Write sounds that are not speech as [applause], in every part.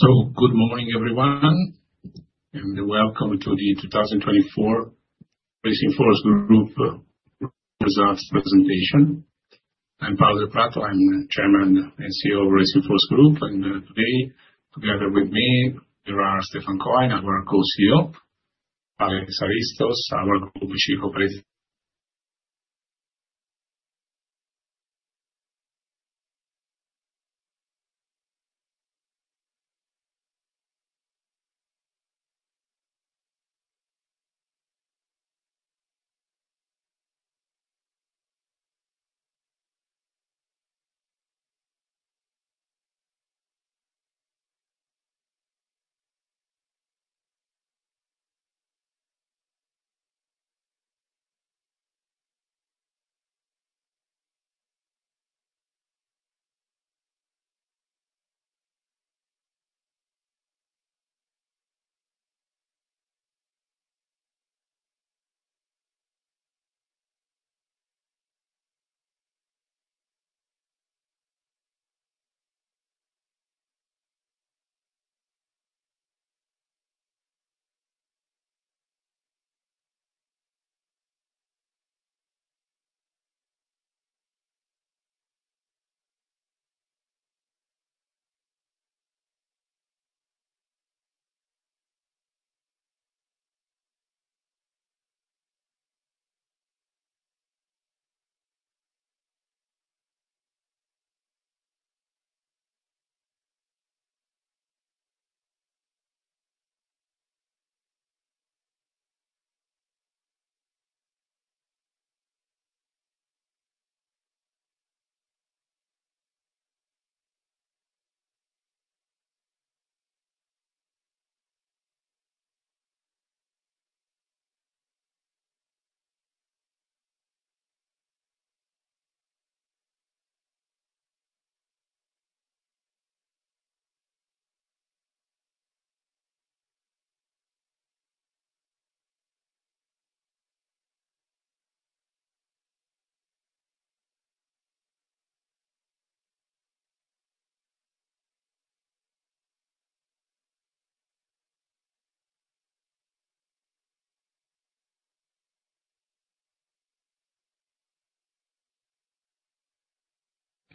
Good morning, everyone, and welcome to the 2024 Racing Force Group Results Presentation. I'm Paolo Delprato, I'm the Chairman and CEO of Racing Force Group, and today, together with me, there are Stéphane Cohen, our Co-CEO, Alex Aristos, our Co-Chief Operator. [audio distortion]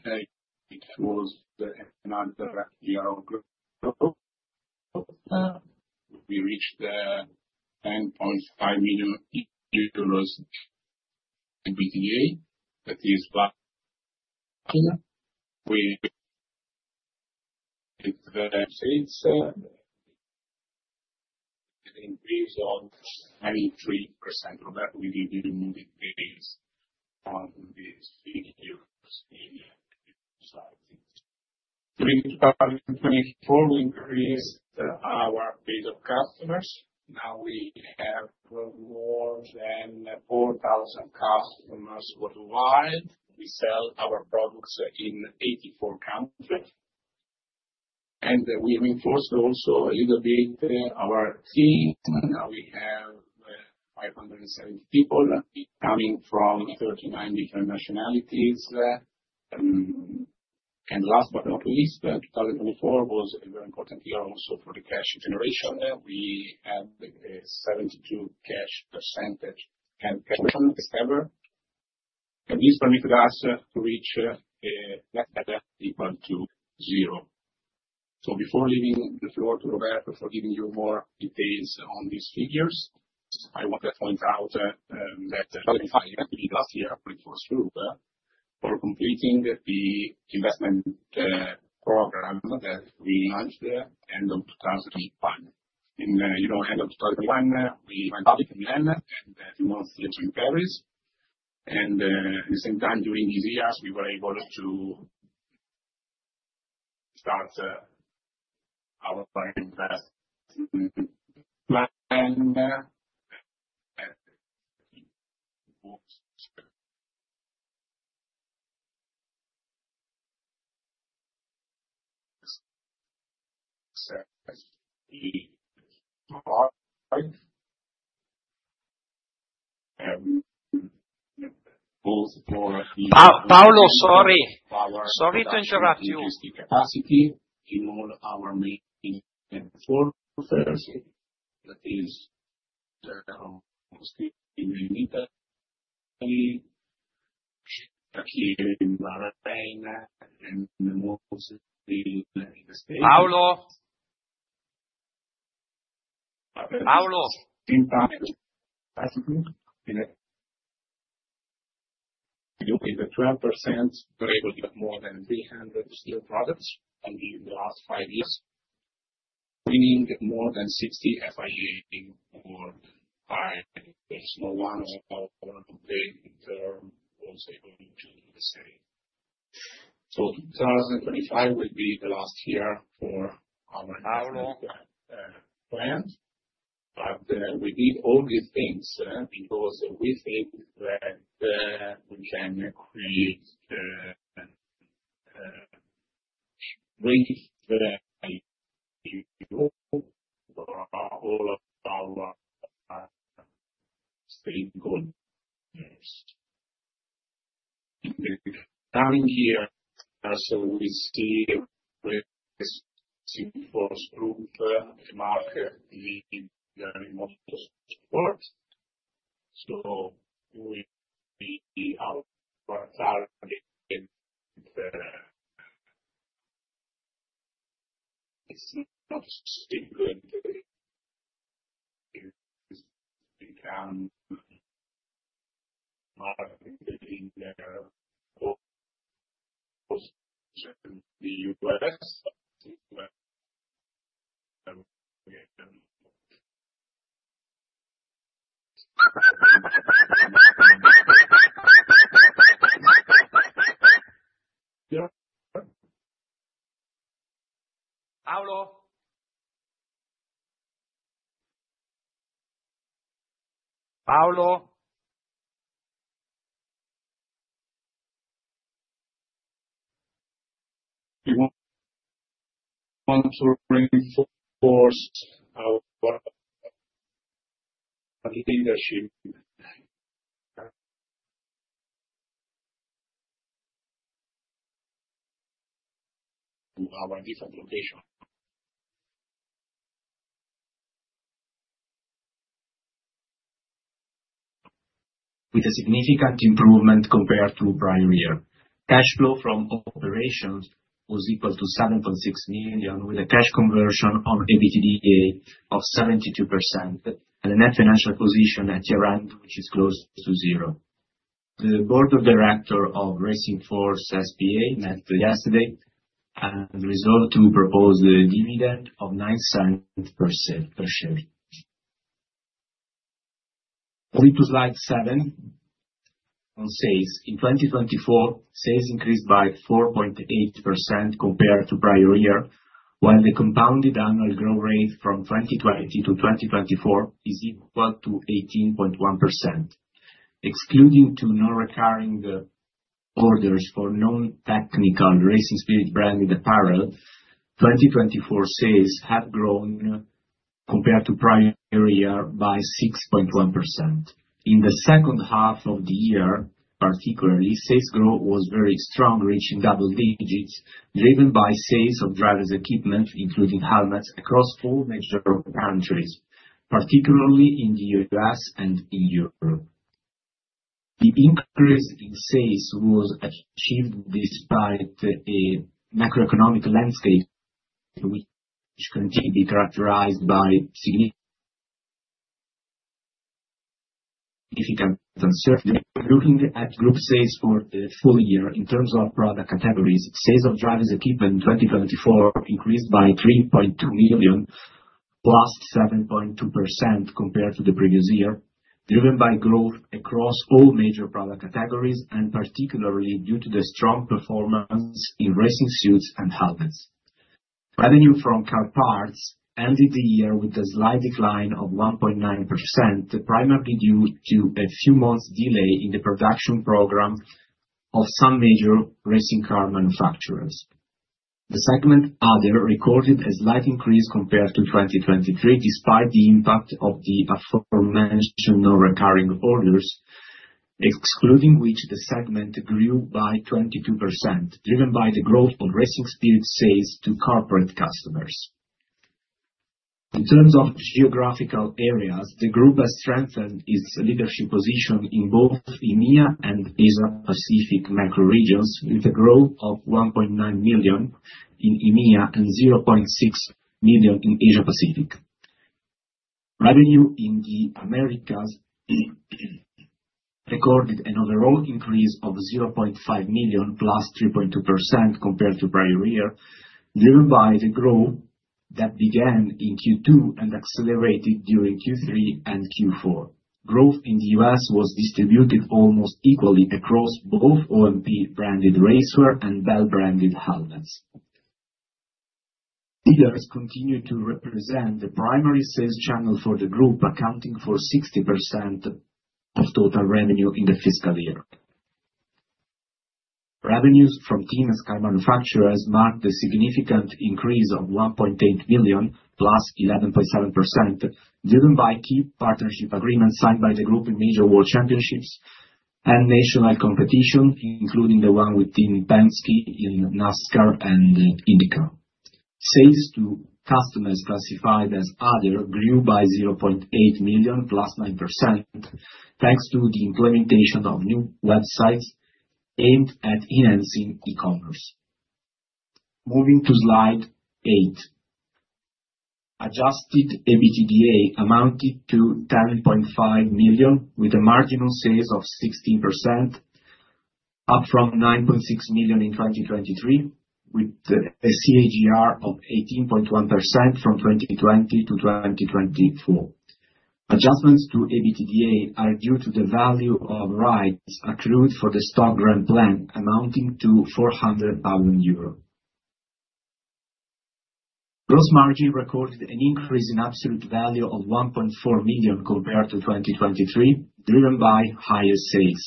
It was the. Under the Racing Force Group, we reached EUR 10.5 million in EBITDA, that is, but we—it's an increase of 93%. [audio distortion] We didn't move it based on these figures in 2024. [audio distortion] We increased [audio distortion] our base of customers. Now we have more than 4,000 customers worldwide. We sell our products in 84 countries, and we reinforced also a little bit our team. We have 570 people coming from 39 different nationalities. Last but not least, 2024 was a very important year also for the cash generation. We had a 72% cash percentage and ever. This permitted us to reach net net equal to zero. Before leaving the floor to Roberto for giving you more details on these figures, I want to point out that 2025 is the last year for the [audio distortion] Racing Force Group for completing the investment program that we launched at the end of 2021. In the end of 2021, we went to Milan and a few months in Paris. At the same time, during these years, we were able to start our investment plan. [audio distortion] Paulo, sorry. Sorry to interrupt you. Capacity in all our main forces, that is, with the 12%, [audio distortion] we were able to get more than 300 steel products in the last five years, winning more than 60 FIA awards. There's no one or great term that was able to say. 2025 will be the last year Paolo for our plan, but we did all these things because we think that we can create great value for all of our stakeholders. [audio distortion] Coming here, we see with the Force Group Mark leading [audio distortion] the most support. [audio distortion] We are targeting with a significant improvement compared to the prior year. Cash flow from operations was equal to EUR 7.6 million, with a cash conversion on EBITDA of 72%, and a net financial position at year-end, which is close to zero. The board of directors of Racing Force met yesterday and resolved to propose a dividend of 0.09 per share. Moving to slide 7, on sales, in 2024, sales increased by 4.8% compared to the prior year, while the compounded annual growth rate from 2020 to 2024 is equal to 18.1%. Excluding two non-recurring orders for non-technical Racing Spirit branded apparel, 2024 sales have grown compared to the prior year by 6.1%. In the second half of the year, particularly, sales growth was very strong, reaching double digits, driven by sales of drivers' equipment, including helmets, across four major countries, particularly in the US and Europe. The increase in sales was achieved despite a macroeconomic landscape which continued to be characterized by significant uncertainty. Looking at group sales for the full year in terms of product categories, sales of drivers' equipment in 2024 increased by 3.2 million, plus 7.2% compared to the previous year, driven by growth across all major product categories, and particularly due to the strong performance in racing suits and helmets. Revenue from car parts ended the year with a slight decline of 1.9%, primarily due to a few months' delay in the production program of some major racing car manufacturers. The segment other recorded a slight increase compared to 2023, despite the impact of the aforementioned non-recurring orders, excluding which the segment grew by 22%, driven by the growth of Racing Spirit sales to corporate customers. In terms of geographical areas, the group has strengthened its leadership position in both EMEA and Asia-Pacific macro regions, with a growth of 1.9 million in EMEA and 0.6 million in Asia-Pacific. Revenue in the Americas recorded an overall increase of 0.5 million, +3.2% compared to the prior year, driven by the growth that began in Q2 and accelerated during Q3 and Q4. Growth in the US was distributed almost equally across both OMP-branded racewear and Bell-branded helmets. Dealers continue to represent the primary sales channel for the group, accounting for 60% of total revenue in the fiscal year. Revenues from team and sky manufacturers marked a significant increase of 1.8 million, +11.7%, driven by key partnership agreements signed by the group in major world championships and national competition, including the one with Team Penske in NASCAR and IndyCar. Sales to customers classified as other grew by 0.8 million, +9%, thanks to the implementation of new websites aimed at enhancing e-commerce. Moving to slide 8, adjusted EBITDA amounted to 10.5 million, with a marginal sales of 16%, up from 9.6 million in 2023, with a CAGR of 18.1% from 2020 to 2024. Adjustments to EBITDA are due to the value of rights accrued for the stock grant plan, amounting to 400,000 euros. Gross margin recorded an increase in absolute value of 1.4 million compared to 2023, driven by higher sales.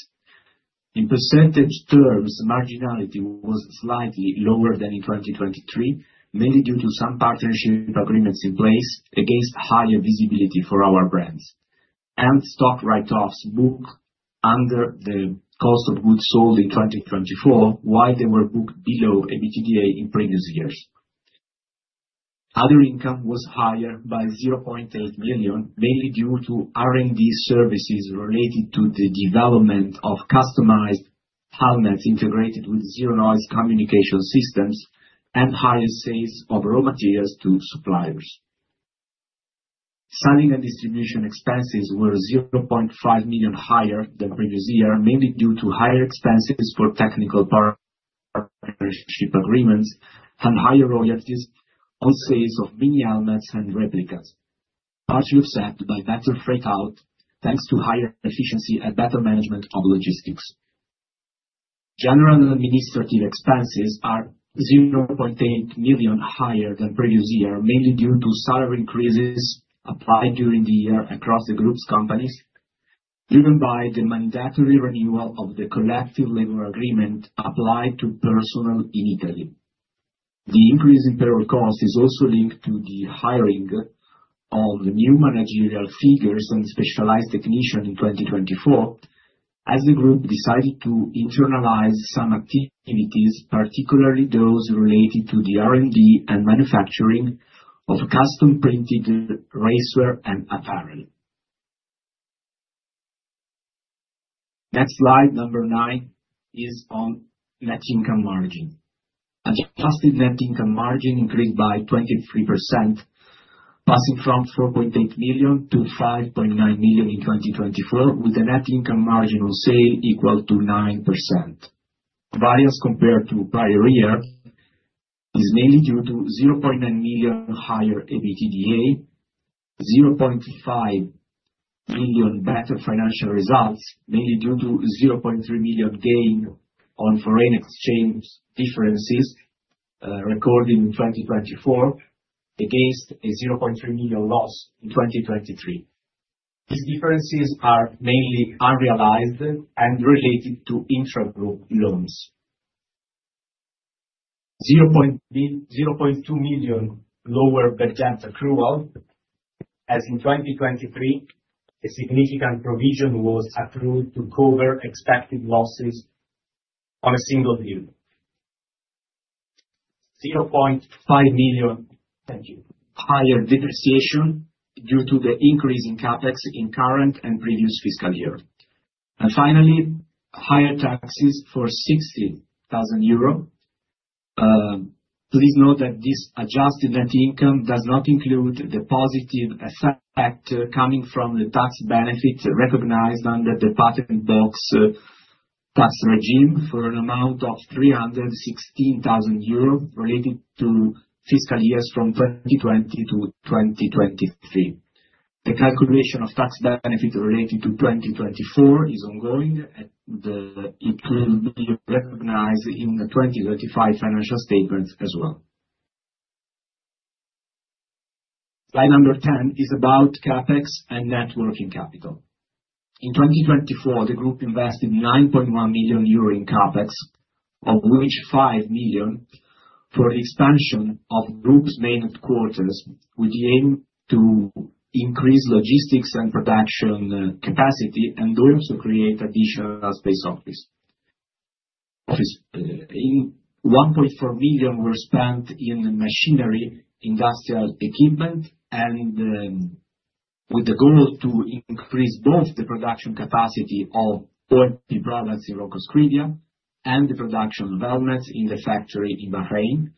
In percentage terms, marginality was slightly lower than in 2023, mainly due to some partnership agreements in place against higher visibility for our brands. Stock write-offs booked under the cost of goods sold in 2024, while they were booked below EBITDA in previous years. Other income was higher by 0.8 million, mainly due to R&D services related to the development of customized helmets integrated with Zeronoise communication systems and higher sales of raw materials to suppliers. Selling and distribution expenses were 0.5 million higher than previous year, mainly due to higher expenses for technical partnership agreements and higher royalties on sales of mini helmets and replicas, partially offset by better freight out, thanks to higher efficiency and better management of logistics. General administrative expenses are 0.8 million higher than previous year, mainly due to salary increases applied during the year across the group's companies, driven by the mandatory renewal of the collective labor agreement applied to personnel in Italy. The increase in payroll cost is also linked to the hiring of new managerial figures and specialized technicians in 2024, as the group decided to internalize some activities, particularly those related to the R&D and manufacturing of custom-printed racewear and apparel. Next slide, number 9, is on net income margin. Adjusted net income margin increased by 23%, passing from 4.8 million to 5.9 million in 2024, with a net income margin on sale equal to 9%. Variance compared to the prior year is mainly due to 0.9 million higher EBITDA, 0.5 million better financial results, mainly due to 0.3 million gain on foreign exchange differences recorded in 2024, against a 0.3 million loss in 2023. These differences are mainly unrealized and related to intra-group loans. EUR 0.2 million lower percent accrual, as in 2023, a significant provision was accrued to cover expected losses on a single deal. 0.5 million. Thank you. Higher depreciation due to the increase in Capex in current and previous fiscal year. Finally, higher taxes for 60,000 euro. Please note that this adjusted net income does not include the positive effect coming from the tax benefits recognized under the patent box tax regime for an amount of 316,000 euros related to fiscal years from 2020 to 2023. The calculation of tax benefits related to 2024 is ongoing, and it will be recognized in the 2025 financial statements as well. Slide number 10 is about CapEx and networking capital. In 2024, the group invested 9.1 million euro in CapEx, of which 5 million for the expansion of the group's main quarters, with the aim to increase logistics and production capacity and also create additional space offices. 1.4 million were spent in machinery, industrial equipment, and with the goal to increase both the production capacity of OMP products in Ronco Scrivia and the production of helmets in the factory in Bahrain,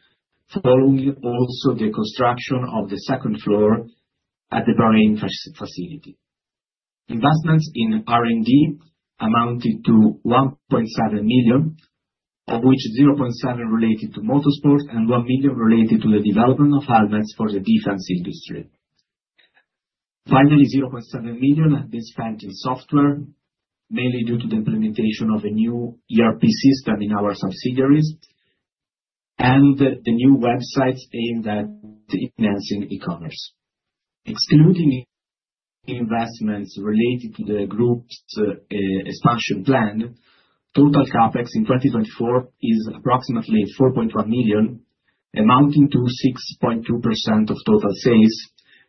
following also the construction of the second floor at the Bahrain facility. Investments in R&D amounted to 1.7 million, of which 0.7 million related to motorsport and 1 million related to the development of helmets for the defense industry. Finally, 0.7 million has been spent in software, mainly due to the implementation of a new ERP system in our subsidiaries and the new websites aimed at enhancing e-commerce. Excluding investments related to the group's expansion plan, total capex in 2024 is approximately 4.1 million, amounting to 6.2% of total sales,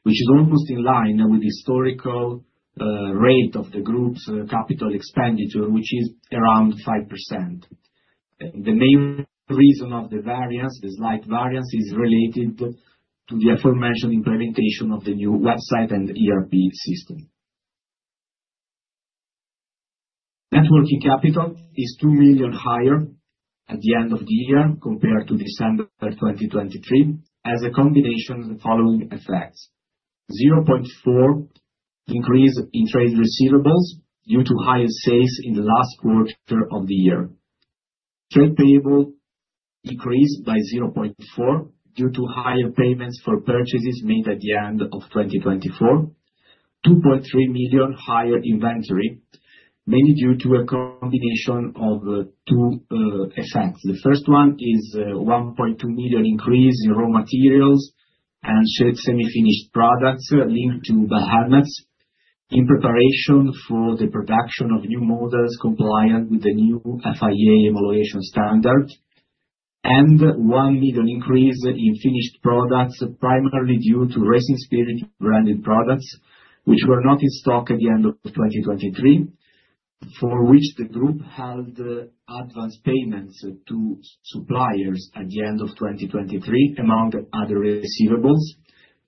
which is almost in line with the historical rate of the group's capital expenditure, which is around 5%. The main reason of the variance, the slight variance, is related to the aforementioned implementation of the new website and ERP system. Working capital is 2 million higher at the end of the year compared to December 2023, as a combination of the following effects: 0.4 million increase in trade receivables due to higher sales in the last quarter of the year, trade payable decreased by 0.4 million due to higher payments for purchases made at the end of 2024, 2.3 million higher inventory, mainly due to a combination of two effects. The first one is a 1.2 million increase in raw materials and semi-finished products linked to the helmets in preparation for the production of new models compliant with the new FIA evaluation standard, and a 1 million increase in finished products, primarily due to Racing Spirit branded products which were not in stock at the end of 2023, for which the group held advance payments to suppliers at the end of 2023, among other receivables.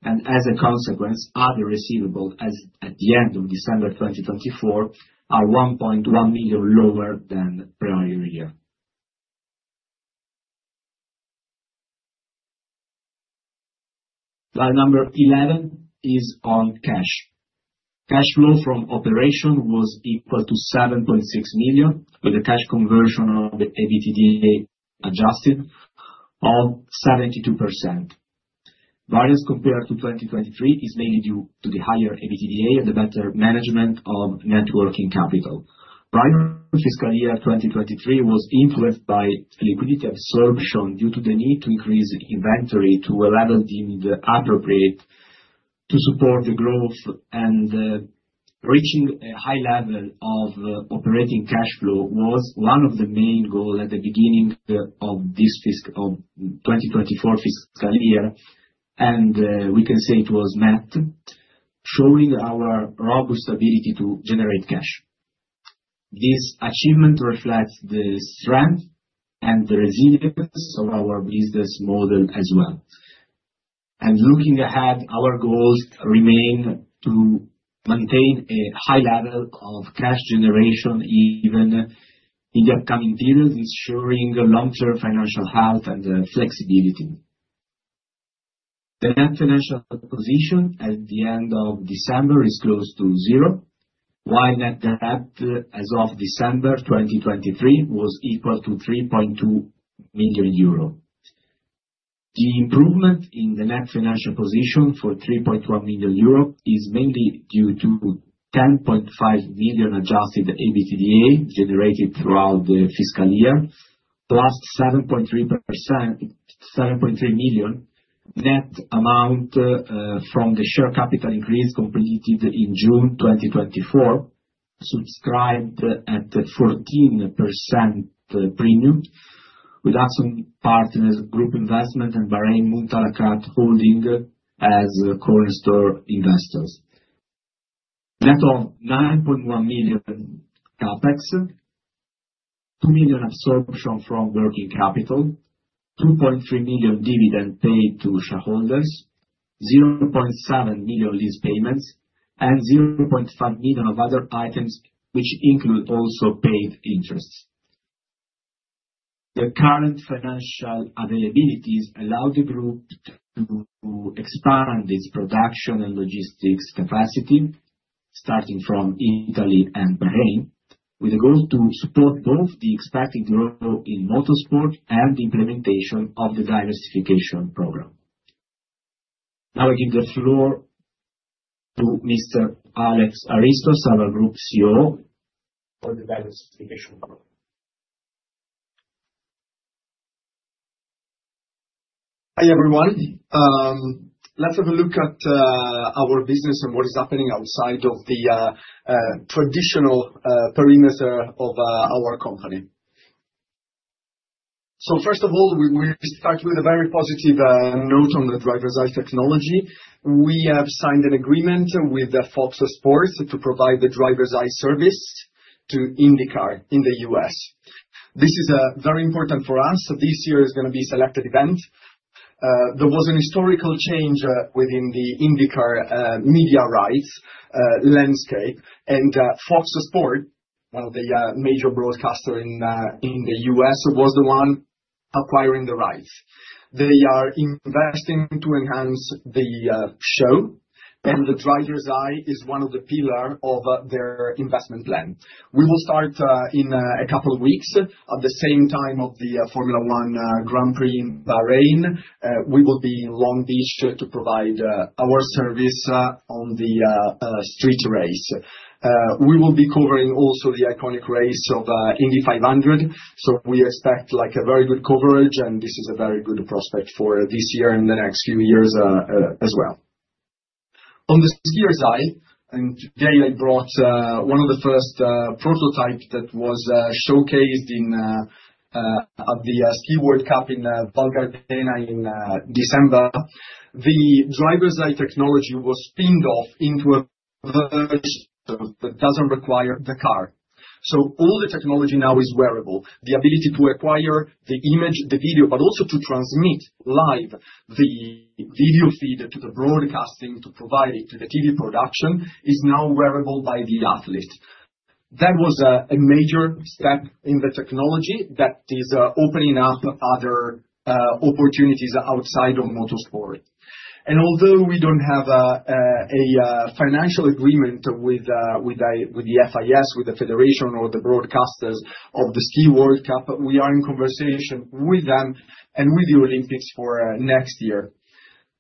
As a consequence, other receivables at the end of December 2024 are 1.1 million lower than the prior year. Slide number 11 is on cash. Cash flow from operation was equal to 7.6 million, with the cash conversion of the EBITDA adjusted of 72%. Variance compared to 2023 is mainly due to the higher EBITDA and the better management of working capital. Prior fiscal year 2023 was influenced by liquidity absorption due to the need to increase inventory to a level deemed appropriate to support the growth, and reaching a high level of operating cash flow was one of the main goals at the beginning of this fiscal year 2024. We can say it was met, showing our robust ability to generate cash. This achievement reflects the strength and the resilience of our business model as well. Looking ahead, our goals remain to maintain a high level of cash generation even in the upcoming period, ensuring long-term financial health and flexibility. The net financial position at the end of December is close to zero, while net debt as of December 2023 was equal to 3.2 million euro. The improvement in the net financial position for 3.1 million euro is mainly due to 10.5 million adjusted EBITDA generated throughout the fiscal year, plus 7.3 million net amount from the share capital increase completed in June 2024, subscribed at 14% premium, with Axon Partners Group Investment and Bahrain Mumtalakat Holding as cornerstone investors. Net of 9.1 million capex, 2 million absorption from working capital, 2.3 million dividend paid to shareholders, 0.7 million lease payments, and 0.5 million of other items, which include also paid interests. The current financial availabilities allow the group to expand its production and logistics capacity, starting from Italy and Bahrain, with the goal to support both the expected growth in motorsport and the implementation of the diversification program. Now I give the floor to Mr. Alex Haristos, our group COO. For the diversification program. Hi everyone. Let's have a look at our business and what is happening outside of the traditional perimeter of our company. First of all, we start with a very positive note on the Driver's Eye technology. We have signed an agreement with Fox Sports to provide the Driver's Eye service to IndyCar in the US. This is very important for us. This year is going to be a selected event. There was a historical change within the IndyCar media rights landscape, and Fox Sports, one of the major broadcasters in the US, was the one acquiring the rights. They are investing to enhance the show, and the Driver's Eye is one of the pillars of their investment plan. We will start in a couple of weeks. At the same time of the Formula 1 Grand Prix in Bahrain, we will be in Long Beach to provide our service on the street race. We will be covering also the iconic race of Indy 500. We expect a very good coverage, and this is a very good prospect for this year and the next few years as well. On the skier's eye, and today I brought one of the first prototypes that was showcased at the ski World Cup in Val Gardena in December, the driver's eye technology was pinned off into a version that does not require the car. All the technology now is wearable. The ability to acquire the image, the video, but also to transmit live the video feed to the broadcasting to provide it to the TV production is now wearable by the athlete. That was a major step in the technology that is opening up other opportunities outside of motorsport. Although we don't have a financial agreement with the FIS, with the federation, or the broadcasters of the ski world cup, we are in conversation with them and with the Olympics for next year.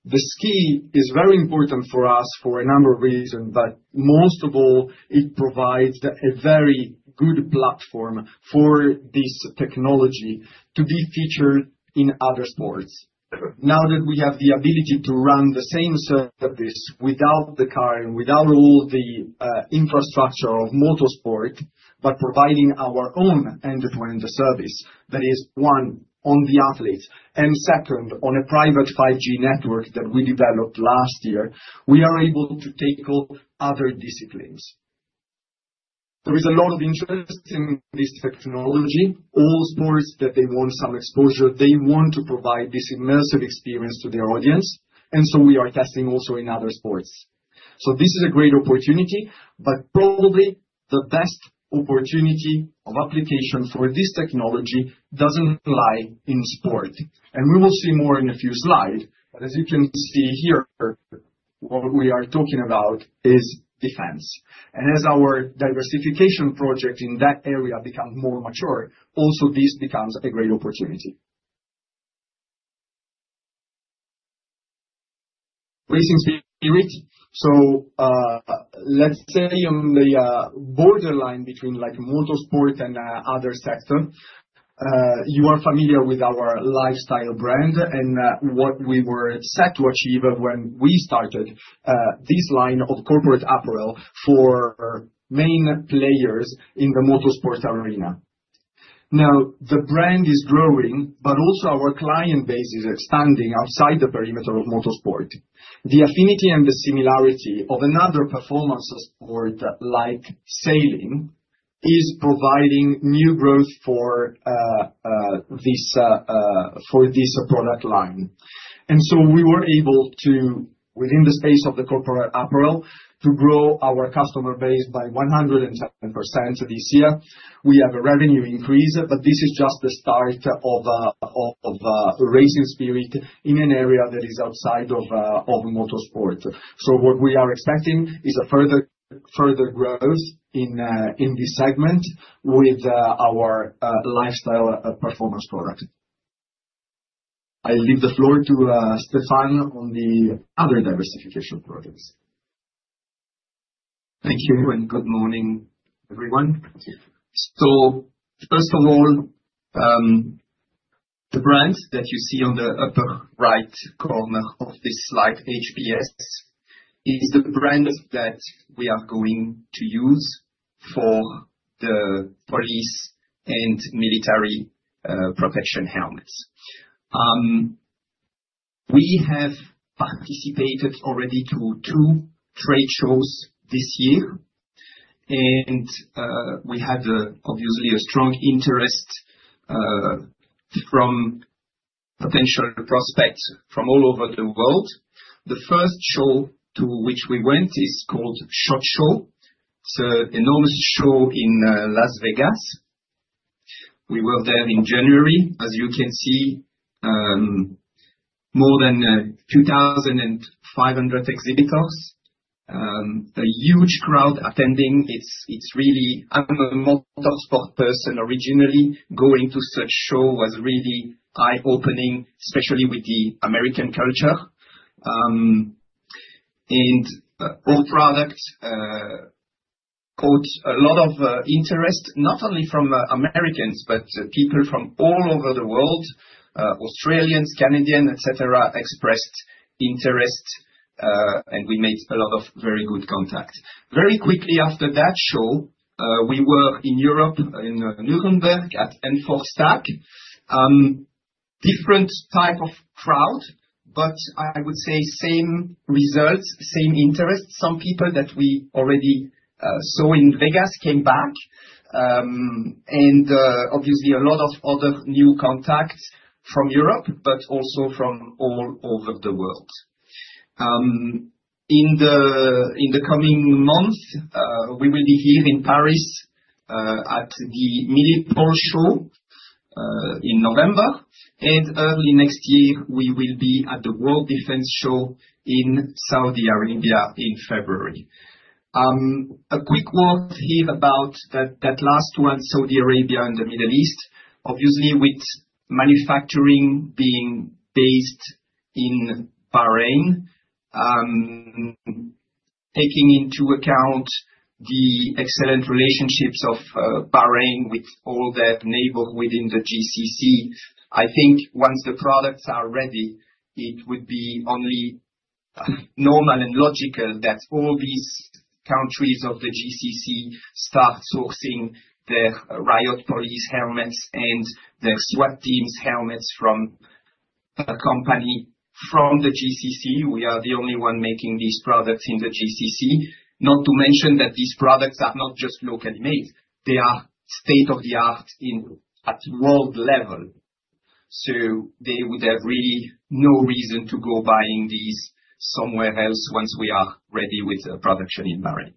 The ski is very important for us for a number of reasons, but most of all, it provides a very good platform for this technology to be featured in other sports. Now that we have the ability to run the same service without the car and without all the infrastructure of motorsport, but providing our own end-to-end service, that is, one, on the athletes, and second, on a private 5G network that we developed last year, we are able to tackle other disciplines. There is a lot of interest in this technology. All sports that they want some exposure, they want to provide this immersive experience to their audience. We are testing also in other sports. This is a great opportunity, but probably the best opportunity of application for this technology does not lie in sport. We will see more in a few slides. As you can see here, what we are talking about is defense. As our diversification project in that area becomes more mature, this also becomes a great opportunity. Racing Spirit. Let's say on the borderline between motorsport and other sectors, you are familiar with our lifestyle brand and what we were set to achieve when we started this line of corporate apparel for main players in the motorsport arena. Now, the brand is growing, but also our client base is expanding outside the perimeter of motorsport. The affinity and the similarity of another performance sport like sailing is providing new growth for this product line. We were able to, within the space of the corporate apparel, to grow our customer base by 110% this year. We have a revenue increase, but this is just the start of Racing Spirit in an area that is outside of motorsport. What we are expecting is a further growth in this segment with our lifestyle performance product. I leave the floor to Stéphane on the other diversification projects. Thank you and good morning, everyone. First of all, the brand that you see on the upper right corner of this slide, HPS, is the brand that we are going to use for the police and military protection helmets. We have participated already to two trade shows this year, and we had obviously a strong interest from potential prospects from all over the world. The first show to which we went is called Shot Show. It's an enormous show in Las Vegas. We were there in January, as you can see, more than 2,500 exhibitors, a huge crowd attending. It's really, I'm a motorsport person originally, going to such show was really eye-opening, especially with the American culture. Our product caught a lot of interest, not only from Americans, but people from all over the world, Australians, Canadians, etc., expressed interest, and we made a lot of very good contact. Very quickly after that show, we were in Europe, in Nuremberg at N4STAG. Different type of crowd, but I would say same results, same interest. Some people that we already saw in Vegas came back, and obviously a lot of other new contacts from Europe, but also from all over the world. In the coming months, we will be here in Paris at the Milipol Show in November, and early next year, we will be at the World Defense Show in Saudi Arabia in February. A quick word here about that last one, Saudi Arabia and the Middle East, obviously with manufacturing being based in Bahrain, taking into account the excellent relationships of Bahrain with all their neighbors within the GCC. I think once the products are ready, it would be only normal and logical that all these countries of the GCC start sourcing their Police Riot Helmets and their SWAT teams helmets from a company from the GCC. We are the only ones making these products in the GCC, not to mention that these products are not just locally made. They are state-of-the-art at world level. They would have really no reason to go buying these somewhere else once we are ready with production in Bahrain.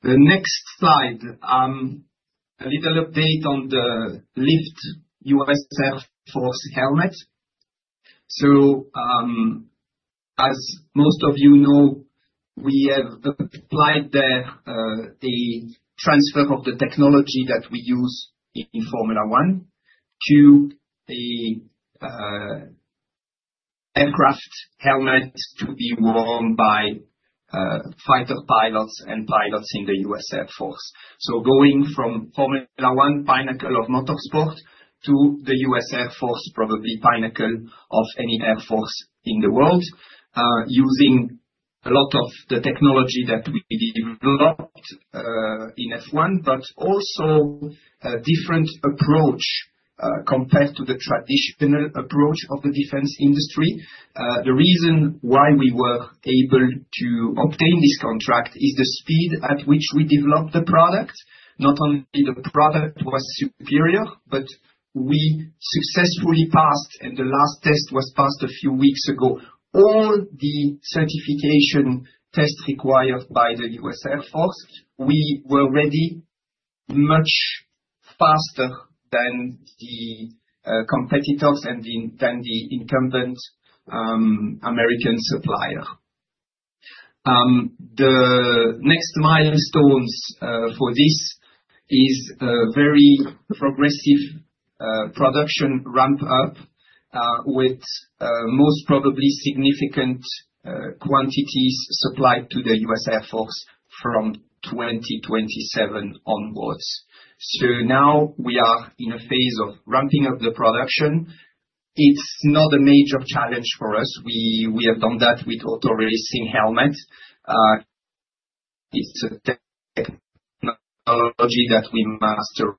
The next slide, a little update on the Lyft US Air Force helmet. As most of you know, we have applied the transfer of the technology that we use in Formula 1 to the aircraft helmet to be worn by fighter pilots and pilots in the US Air Force. Going from Formula 1 pinnacle of motorsport to the US Air Force, probably pinnacle of any air force in the world, using a lot of the technology that we developed in F1, but also a different approach compared to the traditional approach of the defense industry. The reason why we were able to obtain this contract is the speed at which we developed the product. Not only the product was superior, but we successfully passed, and the last test was passed a few weeks ago, all the certification tests required by the US Air Force. We were ready much faster than the competitors and than the incumbent American supplier. The next milestones for this is a very progressive production ramp-up with most probably significant quantities supplied to the US Air Force from 2027 onwards. Now we are in a phase of ramping up the production. It's not a major challenge for us. We have done that with auto racing helmets. It's a technology that we mastered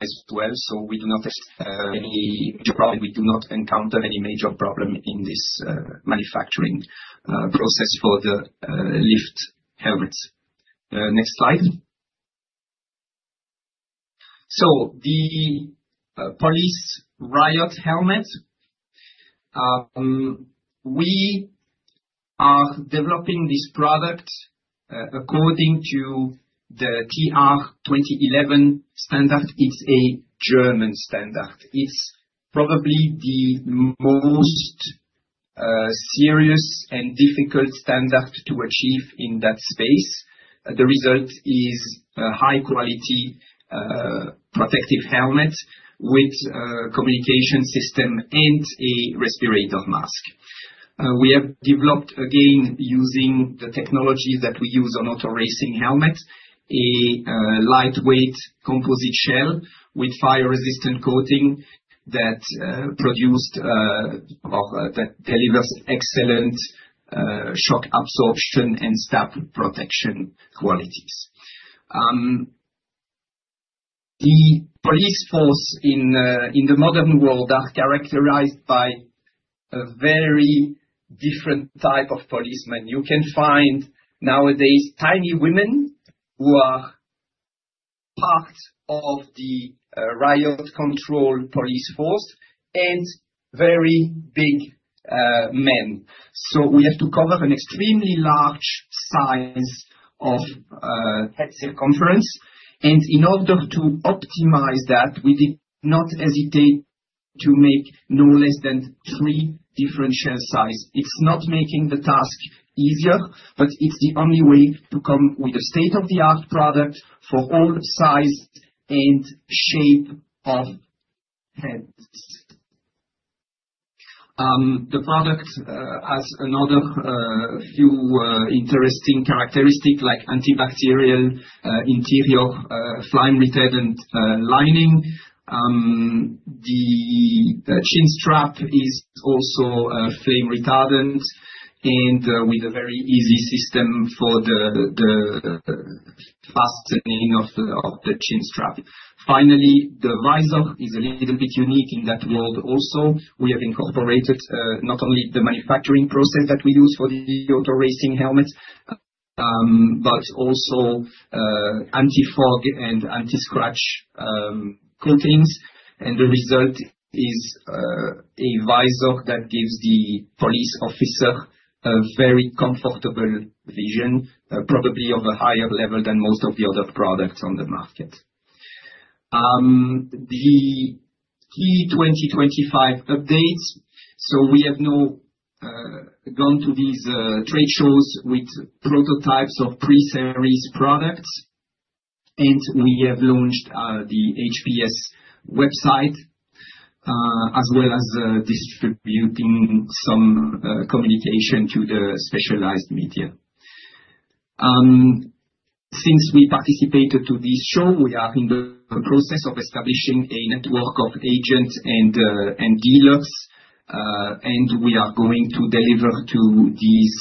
as well. We do not have any major problem. We do not encounter any major problem in this manufacturing process for the US Air Force helmets. Next slide. The Police Riot Helmet, we are developing this product according to the TR 2011 standard. It's a German standard. It's probably the most serious and difficult standard to achieve in that space. The result is a high-quality protective helmet with a communication system and a respirator mask. We have developed, again, using the technology that we use on auto racing helmets, a lightweight composite shell with fire-resistant coating that delivers excellent shock absorption and stab protection qualities. The police force in the modern world are characterized by a very different type of policemen. You can find nowadays tiny women who are part of the Riot Control Police Force and very big men. We have to cover an extremely large size of head circumference. In order to optimize that, we did not hesitate to make no less than three different shell sizes. It's not making the task easier, but it's the only way to come with a state-of-the-art product for all sizes and shapes of heads. The product has another few interesting characteristics, like antibacterial interior flame-retardant lining. The chin strap is also flame-retardant and with a very easy system for the fastening of the chin strap. Finally, the visor is a little bit unique in that world also. We have incorporated not only the manufacturing process that we use for the auto racing helmets, but also anti-fog and anti-scratch coatings. The result is a visor that gives the police officer a very comfortable vision, probably of a higher level than most of the other products on the market. The key 2025 updates. We have now gone to these trade shows with prototypes of pre-series products, and we have launched the HPS website as well as distributing some communication to the specialized media. Since we participated in this show, we are in the process of establishing a network of agents and dealers, and we are going to deliver to these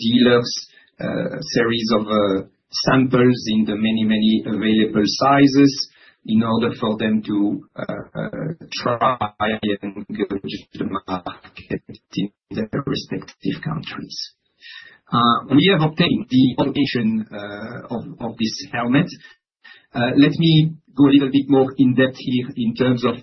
dealers a series of samples in the many, many available sizes in order for them to try and go to the market in their respective countries. We have obtained the homologation of this helmet. Let me go a little bit more in depth here in terms of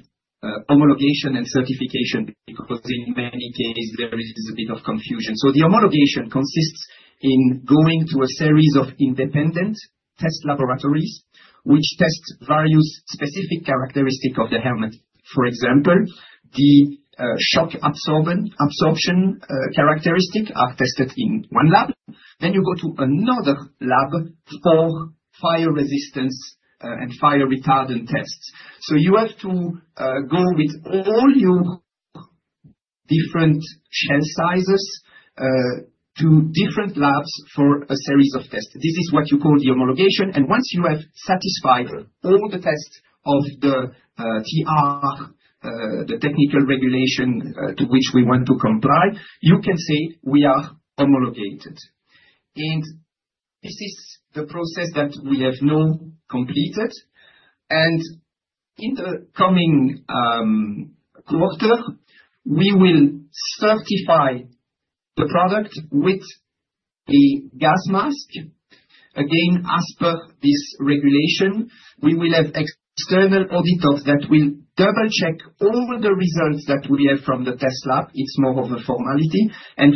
homologation and certification, because in many cases, there is a bit of confusion. The homologation consists in going to a series of independent test laboratories which test various specific characteristics of the helmet. For example, the shock absorption characteristics are tested in one lab. You go to another lab for fire resistance and fire-retardant tests. You have to go with all your different shell sizes to different labs for a series of tests. This is what you call the homologation. Once you have satisfied all the tests of the TR, the technical regulation to which we want to comply, you can say we are homologated. This is the process that we have now completed. In the coming quarter, we will certify the product with a gas mask. Again, as per this regulation, we will have external auditors that will double-check all the results that we have from the test lab. It is more of a formality.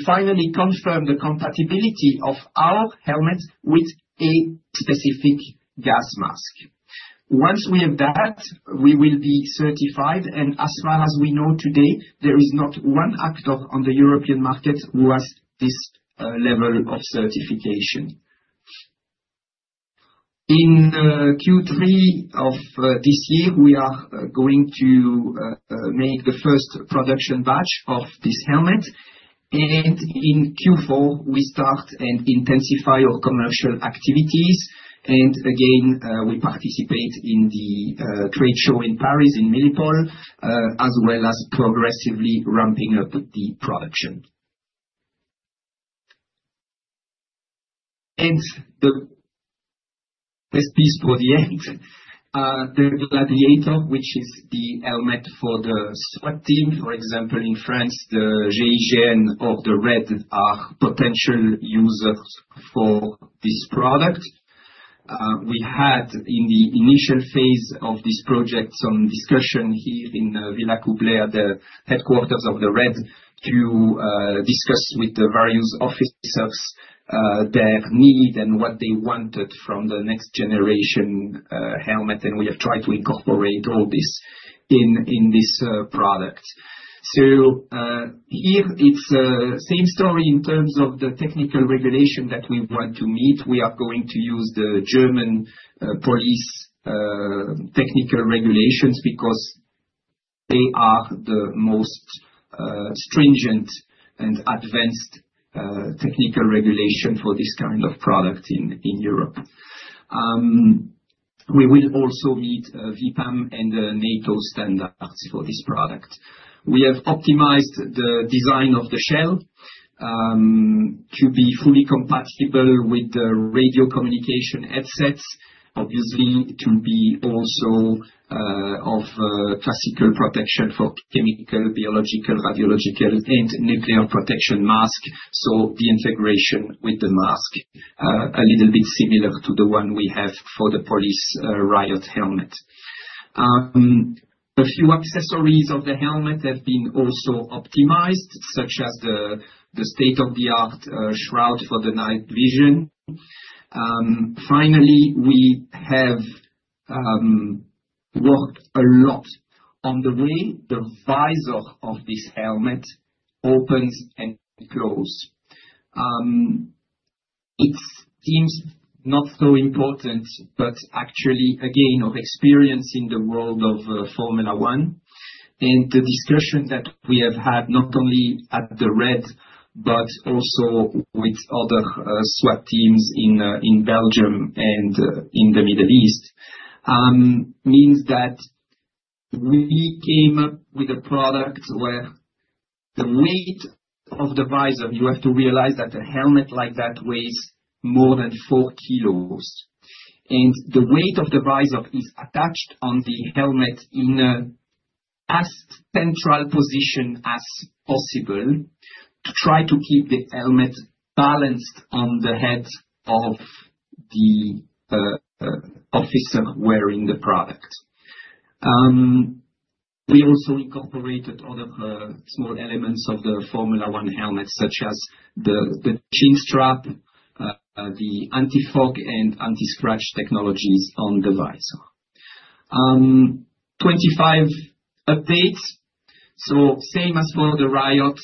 Finally, confirm the compatibility of our helmets with a specific gas mask. Once we have that, we will be certified. As far as we know today, there is not one actor on the European market who has this level of certification. In Q3 of this year, we are going to make the first production batch of this helmet. In Q4, we start and intensify our commercial activities. We participate in the trade show in Paris, in Milipol, as well as progressively ramping up the production. The best piece for the end, the Gladiator, which is the helmet for the SWAT team, for example, in France, the GIGN or the RAID are potential users for this product. We had, in the initial phase of this project, some discussion here in Villejuif, the headquarters of the RAID, to discuss with the various officers their need and what they wanted from the next generation helmet. We have tried to incorporate all this in this product. Here, it's the same story in terms of the technical regulation that we want to meet. We are going to use the German police technical regulations because they are the most stringent and advanced technical regulation for this kind of product in Europe. We will also meet VPAM and NATO standards for this product. We have optimized the design of the shell to be fully compatible with the radio communication headsets, obviously, to be also of classical protection for chemical, biological, radiological, and nuclear protection mask, so the integration with the mask a little bit similar to the one we have for the Police Riot Helmet. A few accessories of the helmet have been also optimized, such as the state-of-the-art shroud for the night vision. Finally, we have worked a lot on the way the visor of this helmet opens and closes. It seems not so important, but actually, again, of experience in the world of Formula 1. The discussion that we have had not only at the RED, but also with other SWAT teams in Belgium and in the Middle East means that we came up with a product where the weight of the visor—you have to realize that a helmet like that weighs more than 4 kg. The weight of the visor is attached on the helmet in as central a position as possible to try to keep the helmet balanced on the head of the officer wearing the product. We also incorporated other small elements of the Formula 1 helmet, such as the chin strap, the anti-fog, and anti-scratch technologies on the visor. 25 updates. Same as for the Riot,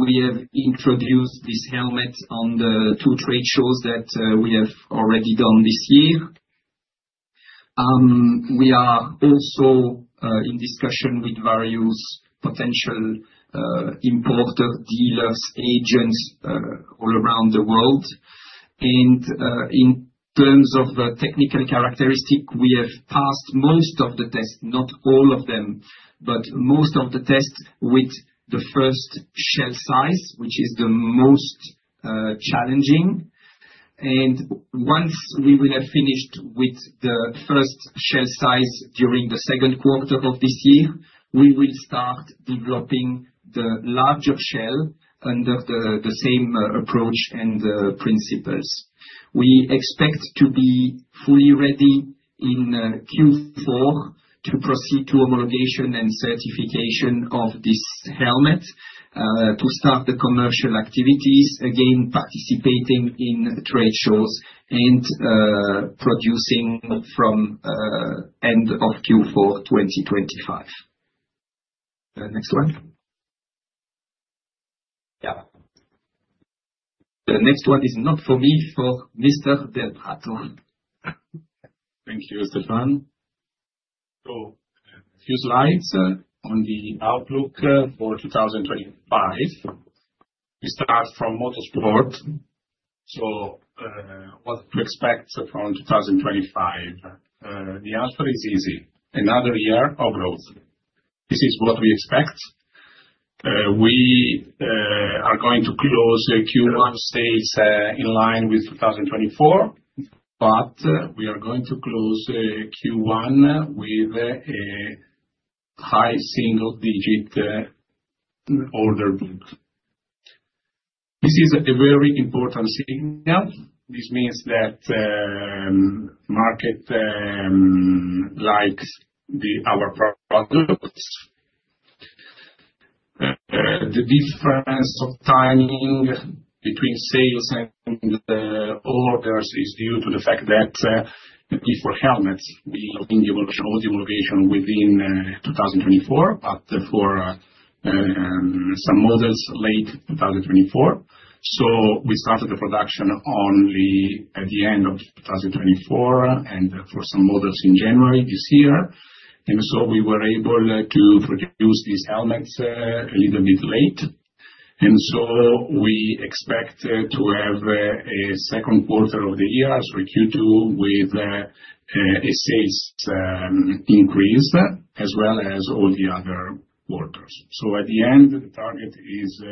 we have introduced this helmet at the two trade shows that we have already done this year. We are also in discussion with various potential importers, dealers, agents all around the world. In terms of the technical characteristics, we have passed most of the tests, not all of them, but most of the tests with the first shell size, which is the most challenging. Once we have finished with the first shell size during the second quarter of this year, we will start developing the larger shell under the same approach and principles. We expect to be fully ready in Q4 to proceed to homologation and certification of this helmet to start the commercial activities, again participating in trade shows and producing from the end of Q4 2025. Next one. Yeah. The next one is not for me, for Mr. Delprato. Thank you, Stéphane. A few slides on the outlook for 2025. We start from motorsport. What to expect from 2025? The answer is easy. Another year of growth. This is what we expect. We are going to close Q1 sales in line with 2024, but we are going to close Q1 with a high single-digit order book. This is a very important signal. This means that market likes our products. The difference of timing between sales and orders is due to the fact that before helmets, we did all the homologation within 2024, but for some models, late 2024. We started the production only at the end of 2024 and for some models in January this year. We were able to produce these helmets a little bit late. We expect to have a second quarter of the year, so Q2, with a sales increase as well as all the other quarters. At the end, the target is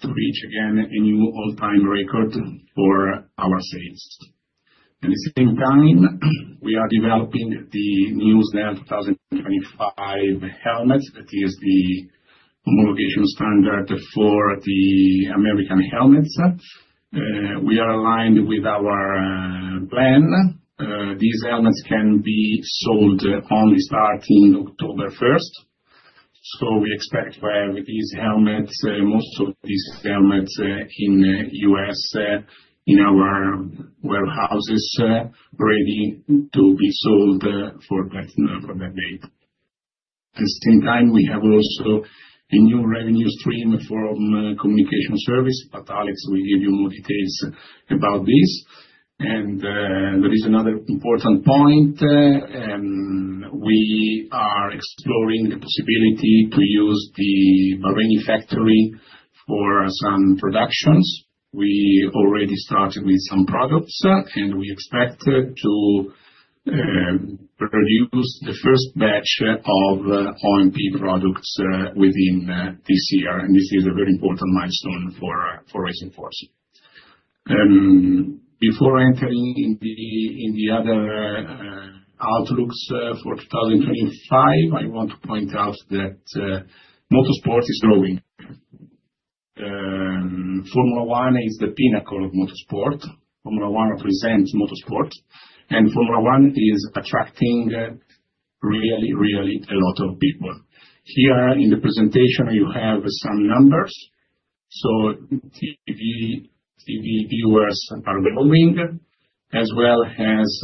to reach, again, a new all-time record for our sales. At the same time, we are developing the new Snell 2025 helmets. That is the homologation standard for the American helmets. We are aligned with our plan. These helmets can be sold only starting October 1. We expect to have these helmets, most of these helmets in the US, in our warehouses, ready to be sold for that date. At the same time, we have also a new revenue stream from communication service. Alex will give you more details about this. There is another important point. We are exploring the possibility to use the Bahrain factory for some productions. We already started with some products, and we expect to produce the first batch of OMP products within this year. This is a very important milestone for Racing Force. Before entering in the other outlooks for 2025, I want to point out that motorsport is growing. Formula 1 is the pinnacle of motorsport. Formula 1 represents motorsport. Formula 1 is attracting really, really a lot of people. Here in the presentation, you have some numbers. TV viewers are growing, as well as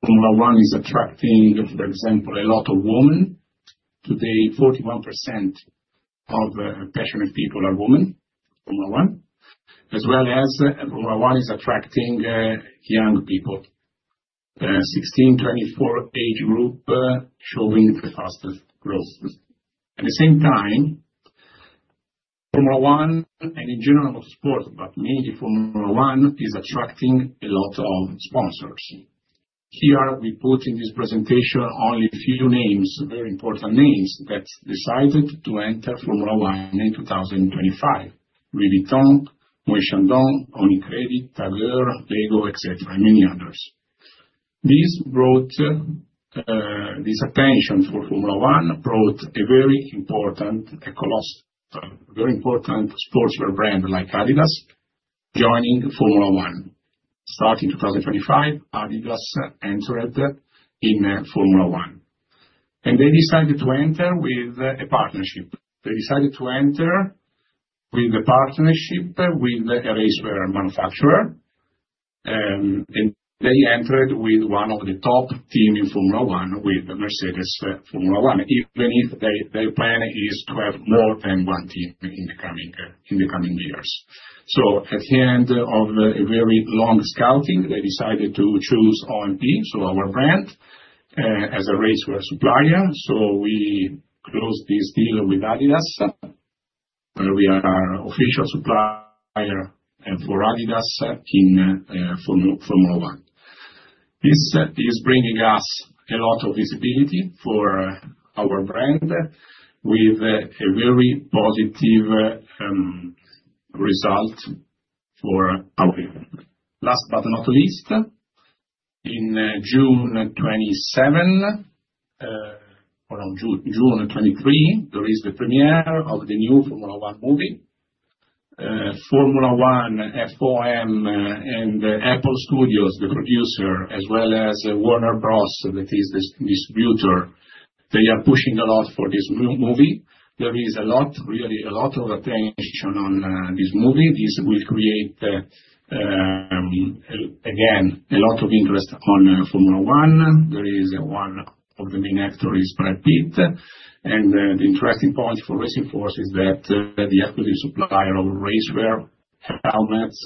Formula 1 is attracting, for example, a lot of women. Today, 41% of passionate people are women, Formula 1, as well as Formula 1 is attracting young people, 16-24 age group, showing the fastest growth. At the same time, Formula 1, and in general, motorsport, but mainly Formula 1, is attracting a lot of sponsors. Here, we put in this presentation only a few names, very important names that decided to enter Formula 1 in 2025: Louis Vuitton, Moët & Chandon, Omnicredit, TAGER, Lego, etc., and many others. This brought this attention for Formula 1, brought a very important sportswear brand like Adidas joining Formula 1. Starting 2025, Adidas entered in Formula 1. They decided to enter with a partnership. They decided to enter with a partnership with a racewear manufacturer. They entered with one of the top teams in Formula 1, with Mercedes Formula 1, even if their plan is to have more than one team in the coming years. At the end of a very long scouting, they decided to choose OMP, so our brand, as a racewear supplier. We closed this deal with Adidas, where we are the official supplier for Adidas in Formula 1. This is bringing us a lot of visibility for our brand, with a very positive result for our team. Last but not least, in June 27, or June 23, there is the premiere of the new Formula 1 movie. Formula 1, FOM, and Apple Studios, the producer, as well as Warner Bros, that is the distributor, they are pushing a lot for this movie. There is a lot, really a lot of attention on this movie. This will create, again, a lot of interest on Formula 1. There is one of the main actors, Brad Pitt. The interesting point for Racing Force is that the equity supplier of racewear helmets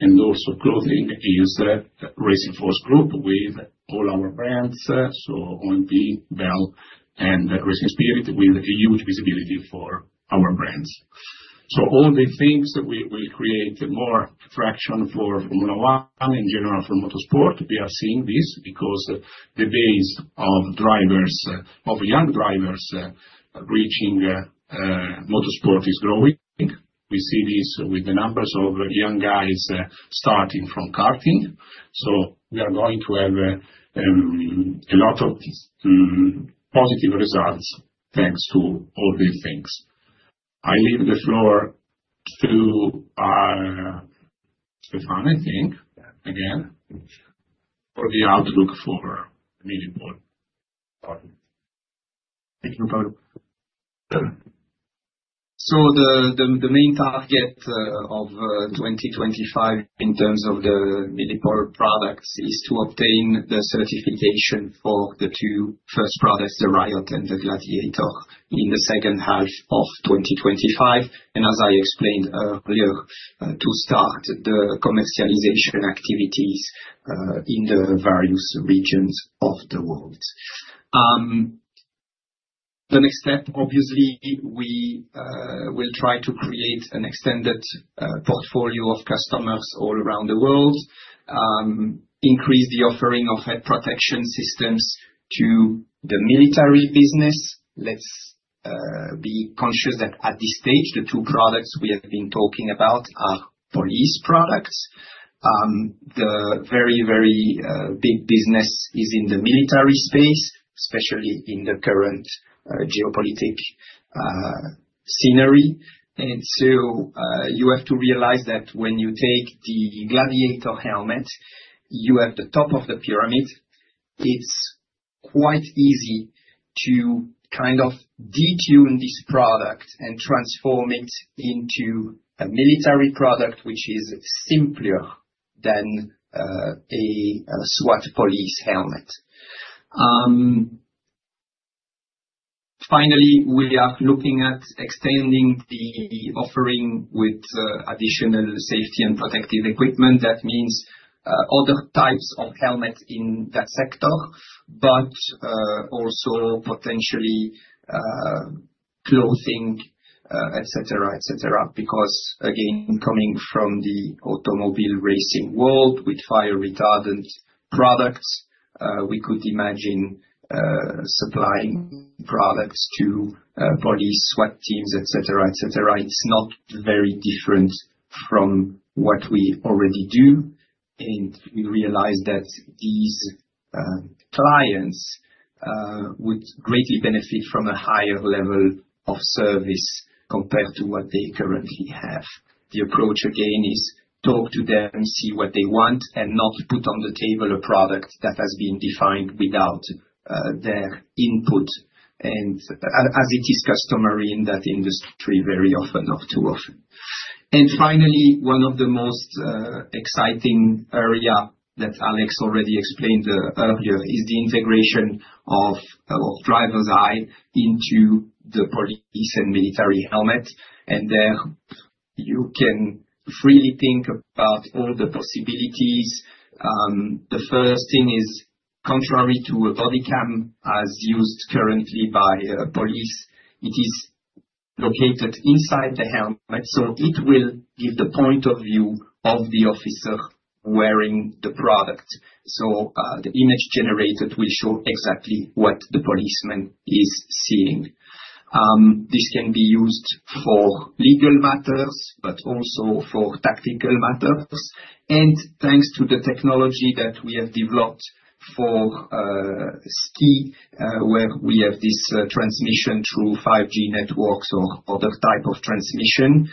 and also clothing is the Racing Force Group with all our brands, so OMP, Bell, and Racing Spirit, with a huge visibility for our brands. All these things will create more attraction for Formula 1 and in general for motorsport. We are seeing this because the base of drivers, of young drivers reaching motorsport, is growing. We see this with the numbers of young guys starting from karting. We are going to have a lot of positive results thanks to all these things. I leave the floor to Stéphane, I think, again, for the outlook for Mille Étoile. [audio distortion] The main target of 2025 in terms of the Mille Étoile products is to obtain the certification for the two first products, the Riot and the Gladiator, in the second half of 2025. As I explained earlier, to start the commercialization activities in the various regions of the world. The next step, obviously, we will try to create an extended portfolio of customers all around the world, increase the offering of head protection systems to the military business. Let's be conscious that at this stage, the two products we have been talking about are police products. The very, very big business is in the military space, especially in the current geopolitic scenery. You have to realize that when you take the Gladiator helmet, you have the top of the pyramid. It's quite easy to kind of detune this product and transform it into a military product, which is simpler than a SWAT police helmet. Finally, we are looking at extending the offering with additional safety and protective equipment. That means other types of helmets in that sector, but also potentially clothing, etc., etc. Because, again, coming from the automobile racing world with fire-retardant products, we could imagine supplying products to police SWAT teams, etc., etc. It's not very different from what we already do. We realize that these clients would greatly benefit from a higher level of service compared to what they currently have. The approach, again, is talk to them, see what they want, and not put on the table a product that has been defined without their input. As it is customary in that industry, very often, not too often. Finally, one of the most exciting areas that Alex already explained earlier is the integration of driver's eye into the police and military helmet. There you can freely think about all the possibilities. The first thing is, contrary to a bodycam as used currently by police, it is located inside the helmet, so it will give the point of view of the officer wearing the product. The image generated will show exactly what the policeman is seeing. This can be used for legal matters, but also for tactical matters. Thanks to the technology that we have developed for STI, where we have this transmission through 5G networks or other type of transmission,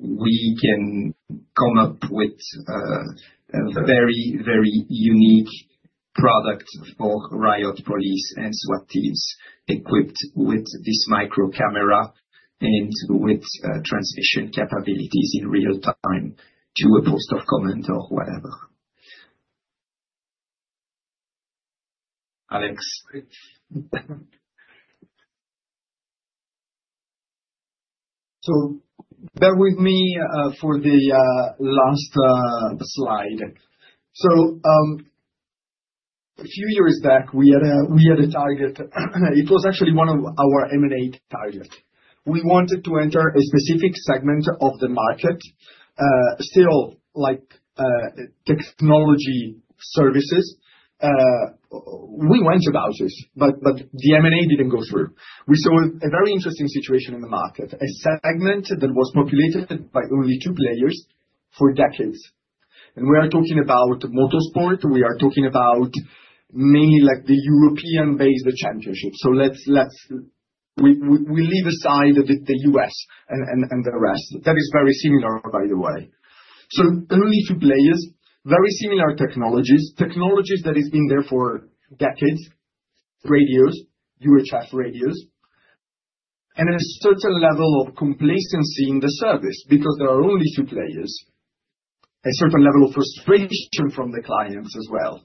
we can come up with a very, very unique product for Riot Police and SWAT teams equipped with this micro camera and with transmission capabilities in real time to a post of command or whatever. Alex. Bear with me for the last slide. A few years back, we had a target. It was actually one of our M&A targets. We wanted to enter a specific segment of the market, still like technology services. We went about it, but the M&A did not go through. We saw a very interesting situation in the market, a segment that was populated by only two players for decades. We are talking about motorsport. We are talking about mainly the European-based championship. We leave aside the US and the rest. That is very similar, by the way. Only two players, very similar technologies, technologies that have been there for decades, radios, UHF radios, and a certain level of complacency in the service because there are only two players, a certain level of frustration from the clients as well.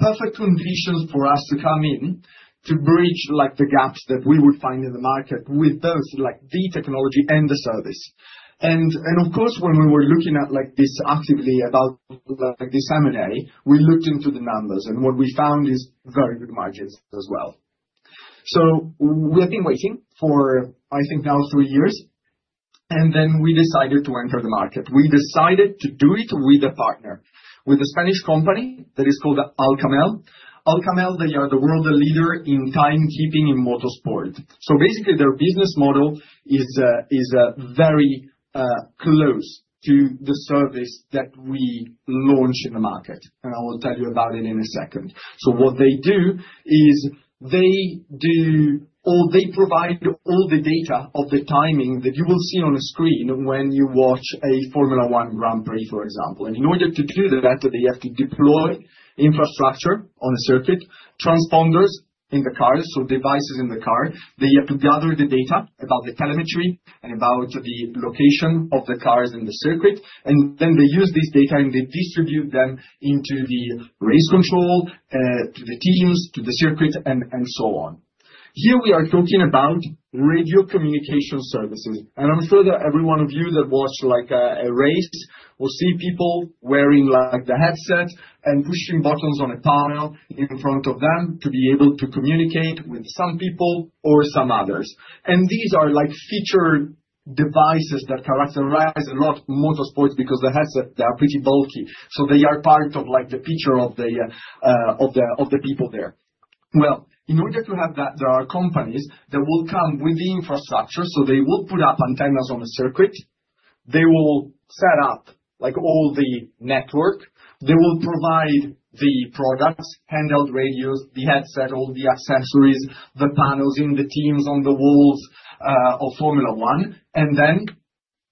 Perfect conditions for us to come in to bridge the gaps that we would find in the market with both the technology and the service. Of course, when we were looking at this actively about this M&A, we looked into the numbers, and what we found is very good margins as well. We have been waiting for, I think, now three years. We decided to enter the market. We decided to do it with a partner, with a Spanish company that is called Alcamel. Alcamel, they are the world leader in timekeeping in motorsport. Basically, their business model is very close to the service that we launch in the market. I will tell you about it in a second. What they do is they provide all the data of the timing that you will see on a screen when you watch a Formula 1 Grand Prix, for example. In order to do that, they have to deploy infrastructure on a circuit, transponders in the cars, so devices in the car. They have to gather the data about the telemetry and about the location of the cars in the circuit. They use this data and they distribute them into the race control, to the teams, to the circuit, and so on. Here we are talking about radio communication services. I'm sure that every one of you that watched a race will see people wearing the headset and pushing buttons on a panel in front of them to be able to communicate with some people or some others. These are feature devices that characterize a lot of motorsports because the headsets are pretty bulky. They are part of the picture of the people there. In order to have that, there are companies that will come with the infrastructure. They will put up antennas on a circuit. They will set up all the network. They will provide the products, handheld radios, the headset, all the accessories, the panels in the teams on the walls of Formula 1.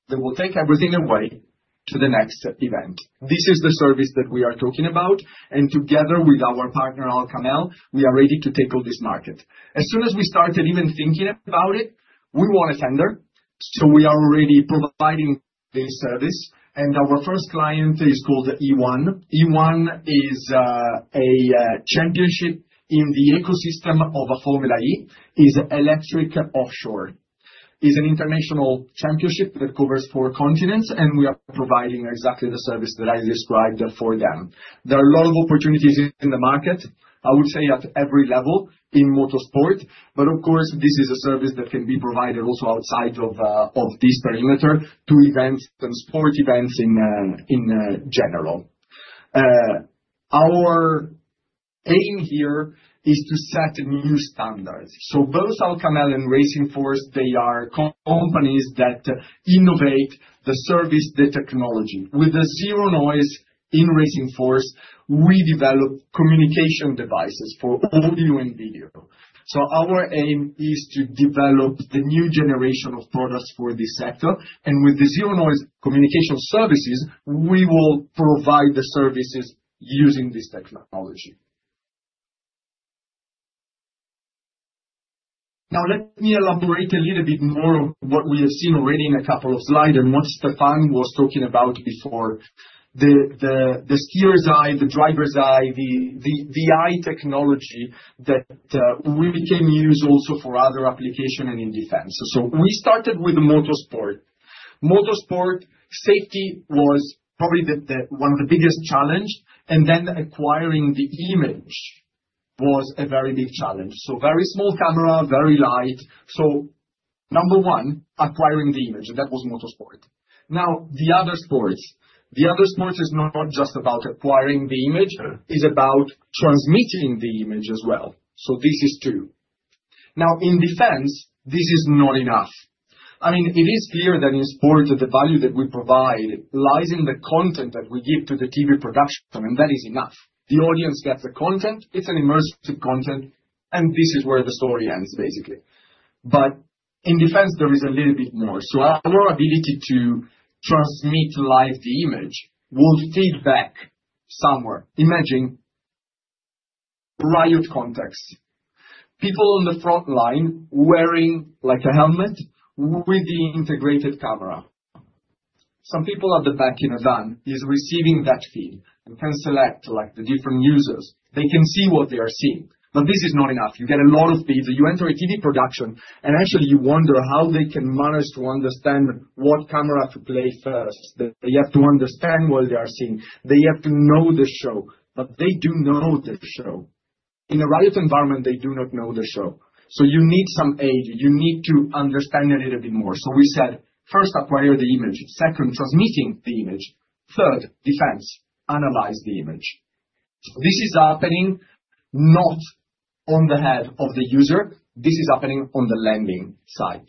They will take everything away to the next event. This is the service that we are talking about. Together with our partner, Alcamel, we are ready to take on this market. As soon as we started even thinking about it, we were a vendor. We are already providing this service. Our first client is called E1. E1 is a championship in the ecosystem of Formula E. It is electric offshore. It is an international championship that covers four continents. We are providing exactly the service that I described for them. There are a lot of opportunities in the market, I would say, at every level in motorsport. Of course, this is a service that can be provided also outside of this perimeter to events and sport events in general. Our aim here is to set new standards. Both Alcamel and Racing Force, they are companies that innovate the service, the technology. With the Zeronoise in Racing Force, we develop communication devices for audio and video. Our aim is to develop the new generation of products for this sector. With the Zeronoise communication services, we will provide the services using this technology. Now, let me elaborate a little bit more on what we have seen already in a couple of slides and what Stéphane was talking about before. The driver's eye, the eye technology that we can use also for other applications and in defense. We started with motorsport. Motorsport safety was probably one of the biggest challenges. Then acquiring the image was a very big challenge. Very small camera, very light. Number one, acquiring the image. That was motorsport. Now, the other sports. The other sports is not just about acquiring the image. It is about transmitting the image as well. This is two. In defense, this is not enough. I mean, it is clear that in sport, the value that we provide lies in the content that we give to the TV production. That is enough. The audience gets the content. It is an immersive content. This is where the story ends, basically. In defense, there is a little bit more. Our ability to transmit live the image will feed back somewhere. Imagine riot context. People on the front line wearing a helmet with the integrated camera. Some people at the back in a van are receiving that feed and can select the different users. They can see what they are seeing. This is not enough. You get a lot of feeds. You enter a TV production, and actually, you wonder how they can manage to understand what camera to play first. They have to understand what they are seeing. They have to know the show. They do know the show. In a riot environment, they do not know the show. You need some aid. You need to understand a little bit more. We said, first, acquire the image. Second, transmitting the image. Third, defense, analyze the image. This is happening not on the head of the user. This is happening on the landing side.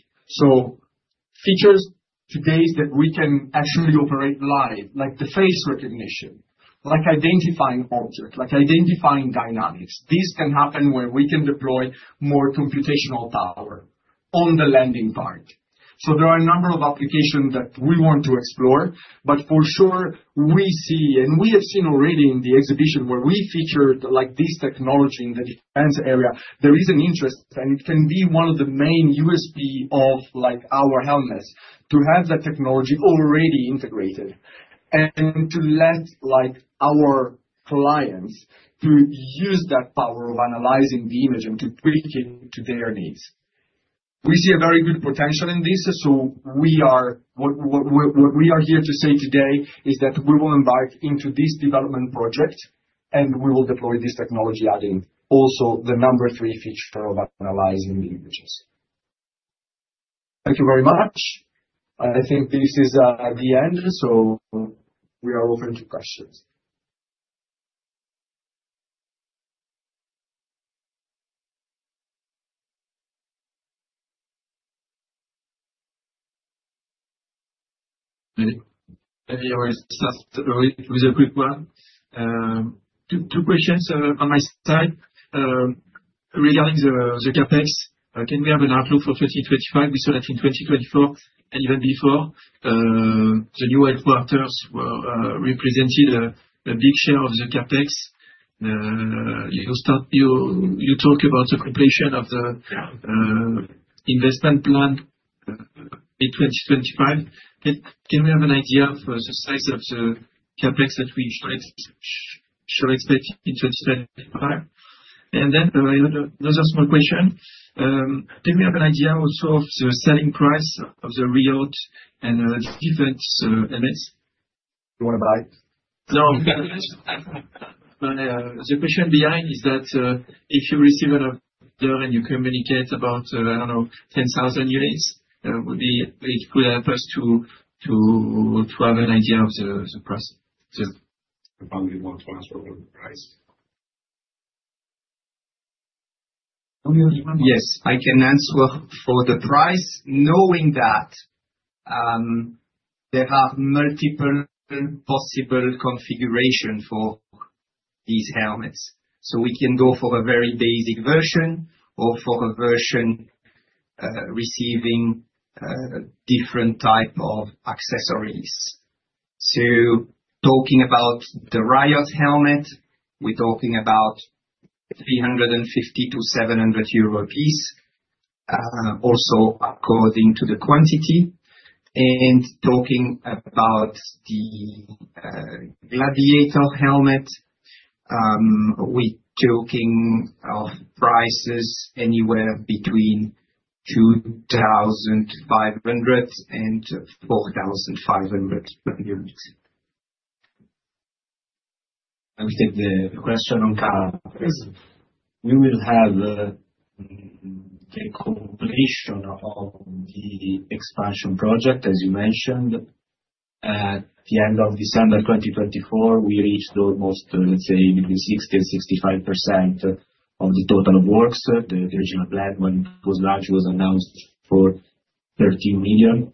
Features today that we can actually operate live, like the face recognition, like identifying objects, like identifying dynamics. This can happen where we can deploy more computational power on the landing part. There are a number of applications that we want to explore. For sure, we see, and we have seen already in the exhibition where we featured this technology in the defense area, there is an interest. It can be one of the main USP of our helmets to have that technology already integrated and to let our clients use that power of analyzing the image and to tweak it to their needs. We see a very good potential in this. What we are here to say today is that we will embark into this development project, and we will deploy this technology, adding also the number three feature of analyzing the images. Thank you very much. I think this is the end. We are open to questions. Maybe I will start with a quick one. Two questions on my side. Regarding the Capex, can we have an outlook for 2025? We saw that in 2024 and even before, the new headquarters represented a big share of the Capex. You talk about the completion of the investment plan in 2025. Can we have an idea of the size of the Capex that we should expect in 2025? Another small question. Can we have an idea also of the selling price of the Riot and the defense helmets? You want to buy it? No. The question behind is that if you receive an order and you communicate about, I don't know, 10,000 units, it could help us to have an idea of the price. Stéphane wants to answer for the price. Yes, I can answer for the price, knowing that there are multiple possible configurations for these helmets. We can go for a very basic version or for a version receiving different types of accessories. Talking about the Riot helmet, we're talking about 350-700 euro per piece, also according to the quantity. Talking about the Gladiator helmet, we're talking of prices anywhere between EUR 2,500-EUR 4,500 per unit. I will take the question on camera. We will have the completion of the expansion project, as you mentioned. At the end of December 2024, we reached almost, let's say, 60% or 65% of the total works. The original plan, when it was launched, was announced for 13 million.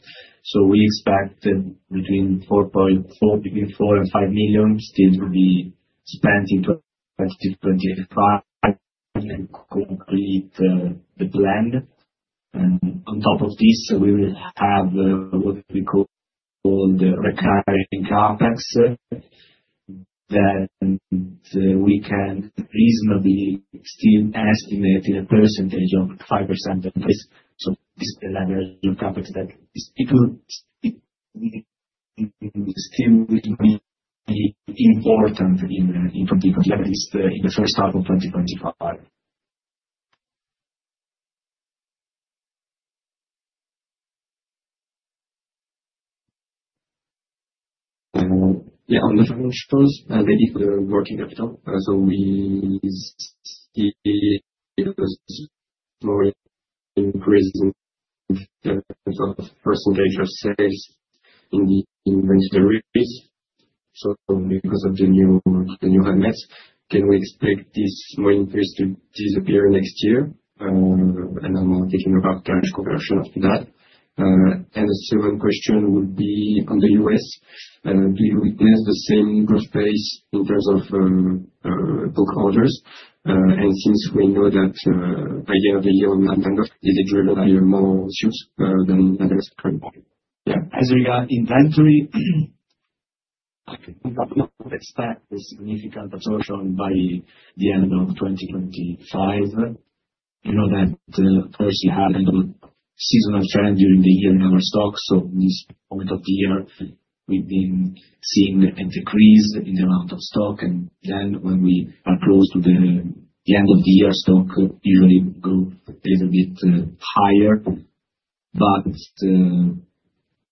We expect between 4 million and 5 million still to be spent in 2025 to complete the plan. On top of this, we will have what we call the recurring Capex that we can reasonably still estimate in a percentage of 5%. This is the leverage of Capex that will still be important in 2025, at least in the first half of 2025. Yeah, on the financials, the working capital. We see it was slowly increasing in terms of percentage of sales in 2023. Because of the new helmets, can we expect this more increase to disappear next year? I'm taking a rough cash conversion after that. The second question would be on the U.S. Do you witness the same growth pace in terms of book orders? Since we know that by the end of the year, we might end up, is it driven by more suits than others currently? Yeah. As regarding inventory, we expect a significant absorption by the end of 2025. You know that, of course, we had a seasonal trend during the year in our stock. At this point of the year, we've been seeing a decrease in the amount of stock. When we are close to the end of the year, stock usually goes a little bit higher.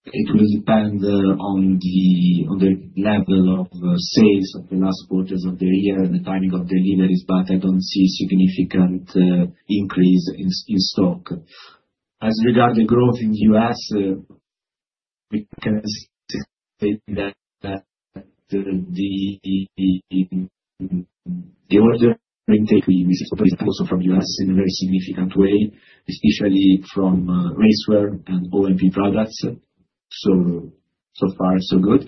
It will depend on the level of sales of the last quarters of the year and the timing of deliveries. I do not see a significant increase in stock. As regarding growth in the U.S, we can say that [audio distortion] the order intake is also from the U.S. in a very significant way, especially from racewear and OMP products. So far, so good.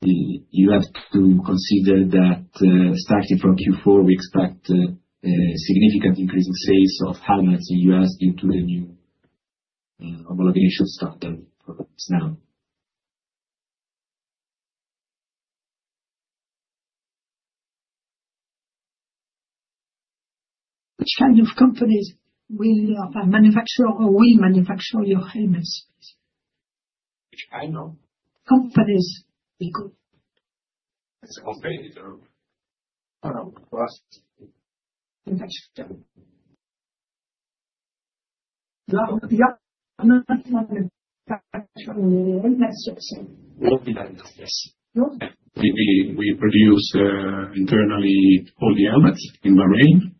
You have to consider that starting from Q4, we expect a significant increase in sales of helmets in the U.S. due to the new homologation standard now. Which kind of companies will manufacture or will manufacture your helmets? Which kind of companies? That's a competitor. [audio distortion] We produce internally all the helmets in Bahrain,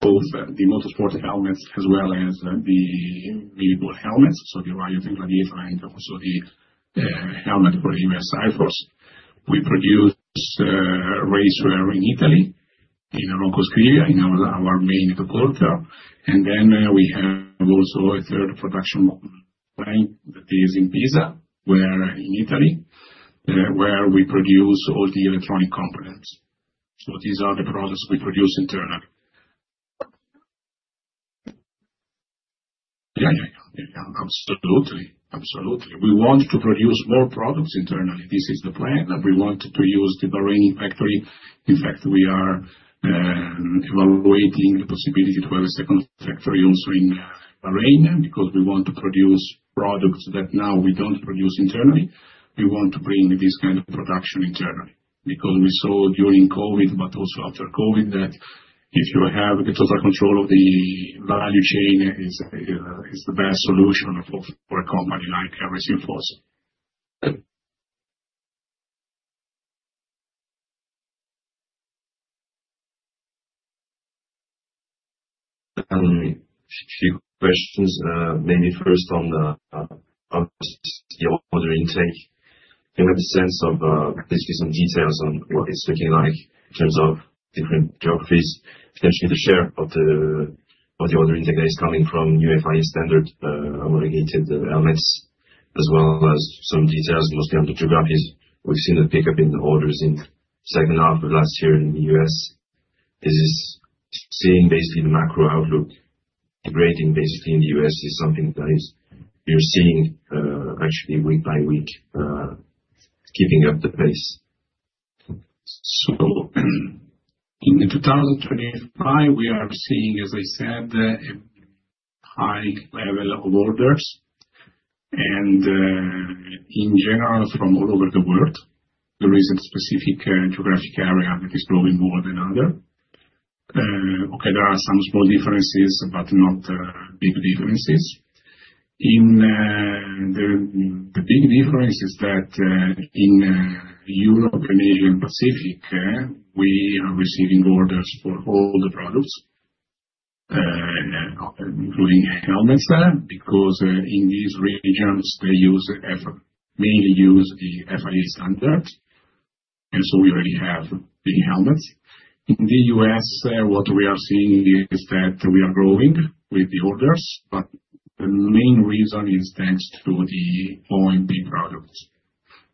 both the motorsport helmets as well as the really good helmets. The Riot and Gladiator and also the helmet for the US Air Force. We produce racewear in Italy, in Ronco Scrivia, in our main headquarter. We have also a third production line that is in Pisa, in Italy, where we produce all the electronic components. These are the products we produce internally. Yeah, yeah, yeah, yeah. Absolutely. Absolutely. We want to produce more products internally. This is the plan. We want to use the Bahrain factory. In fact, we are evaluating the possibility to have a second factory also in Bahrain because we want to produce products that now we do not produce internally. We want to bring this kind of production internally because we saw during COVID, but also after COVID, that if you have total control of the value chain, it is the best solution for a company like Racing Force. A few questions. Maybe first on the order intake. Can you have a sense of, at least with some details on what it is looking like in terms of different geographies? Potentially the share of the order intake that is coming from FIA standard homologated helmets, as well as some details mostly on the geographies. We have seen a pickup in the orders in the second half of last year in the U.S. This is seeing basically the macro outlook. Degrading basically in the U.S. is something that you're seeing actually week by week keeping up the pace. In 2025, we are seeing, as I said, a high level of orders. In general, from all over the world, there is a specific geographic area that is growing more than others. There are some small differences, but not big differences. The big difference is that in Europe and Asia-Pacific, we are receiving orders for all the products, including helmets, because in these regions, they mainly use the FIA standard. We already have the helmets. In the U.S., what we are seeing is that we are growing with the orders. The main reason is thanks to the OMP products.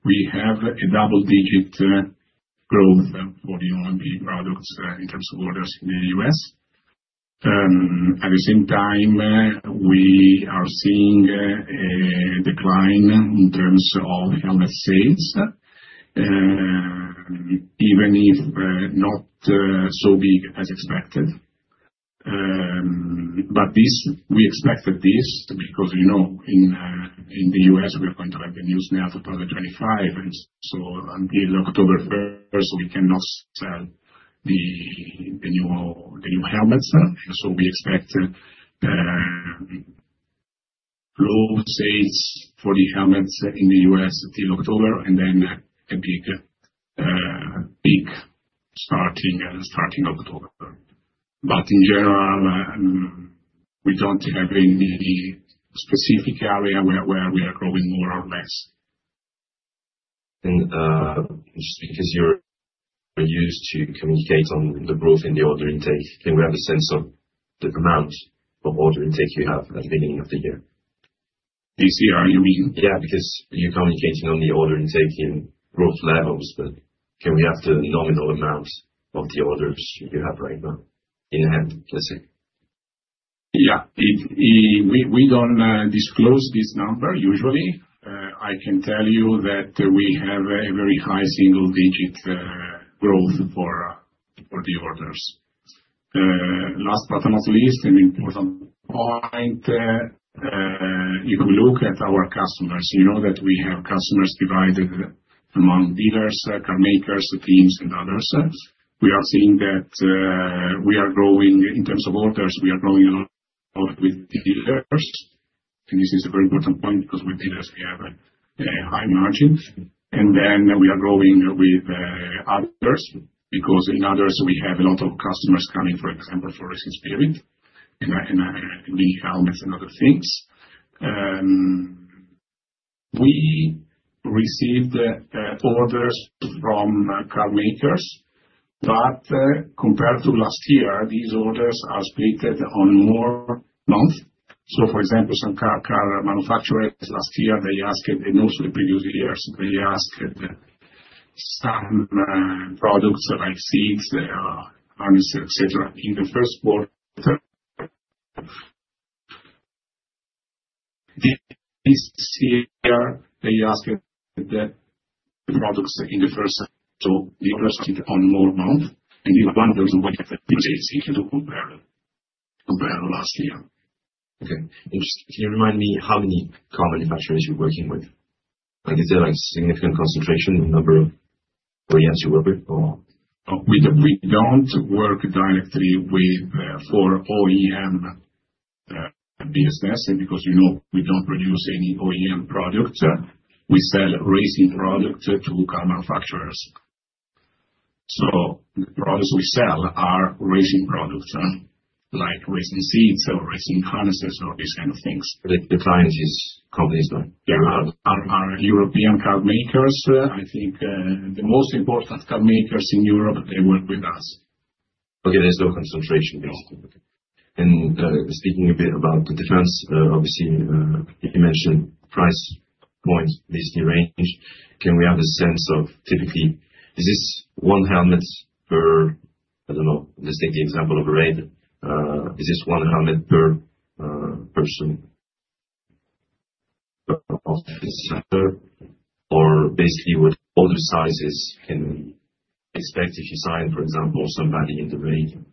We have a double-digit growth for the OMP products in terms of orders in the U.S. At the same time, we are seeing a decline in terms of helmet sales, even if not so big as expected. We expected this because in the U.S., we are going to have the news now for 2025. Until October 1, we cannot sell the new helmets. We expect low sales for the helmets in the U.S. until October, and then a big peak starting October. In general, we do not have any specific area where we are growing more or less. Just because you are used to communicate on the growth in the order intake, can we have a sense of the amount of order intake you have at the beginning of the year? This year, you mean? Yeah, because you are communicating on the order intake in growth levels. Can we have the nominal amount of the orders you have right now in hand, let's say? Yeah. We don't disclose this number usually. I can tell you that we have a very high single-digit growth for the orders. Last but not least, an important point, you can look at our customers. You know that we have customers divided among dealers, car makers, teams, and others. We are seeing that we are growing in terms of orders. We are growing a lot with dealers. This is a very important point because with dealers, we have a high margin. We are growing with others because in others, we have a lot of customers coming, for example, for Racing Spirit and mini helmets and other things. We received orders from car makers. Compared to last year, these orders are splitted on more months. For example, some car manufacturers last year, they asked and also the previous years, they asked some products like seats, harnesses, etc. in the first quarter. This year, they asked the products in the first. They asked it on more months. This one does not work at the same thing to compare last year. Okay. Can you remind me how many car manufacturers you are working with? Is there a significant concentration in the number of OEMs you work with? We do not work directly with OEM and BSS because we do not produce any OEM products. We sell racing products to car manufacturers. The products we sell are racing products like racing seats or racing harnesses or these kinds of things. The client is companies like? Yeah. Our European car makers, I think the most important car makers in Europe, they work with us. Okay. There is no concentration, basically. Speaking a bit about the difference, obviously, you mentioned price point, basically range. Can we have a sense of typically, is this one helmet per, I don't know, let's take the example of a raid, is this one helmet per person of this or basically what other sizes can expect if you sign, for example, somebody in the raid?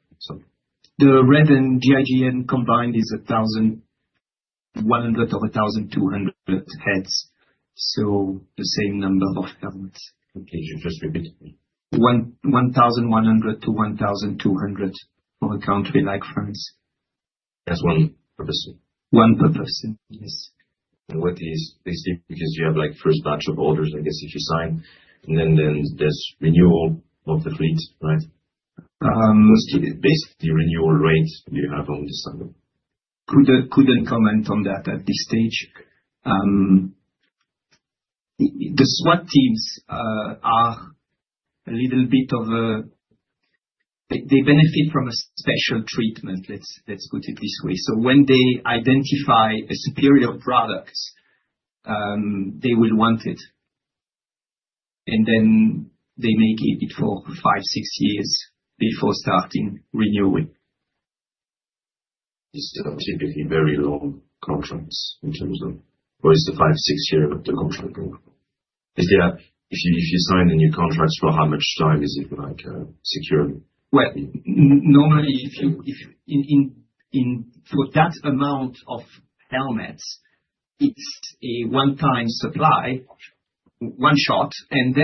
The RAID and GIGN combined is 1,100 or 1,200 heads. So the same number of helmets. Okay. Just repeat it. 1,100-1,200 for a country like France. That's one person. One person, yes. And what is basically because you have first batch of orders, I guess, if you sign, and then there's renewal of the fleet, right? [audio distortion] the basically renewal rate you have on this summer? Couldn't comment on that at this stage. The SWAT teams are a little bit of a, they benefit from a special treatment, let's put it this way. When they identify a superior product, they will want it. They may keep it for five, six years before starting renewal. Is that typically very long contracts in terms of, or is the five, six-year contract? If you sign a new contract, for how much time is it secured? Normally, for that amount of helmets, it's a one-time supply, one shot, and they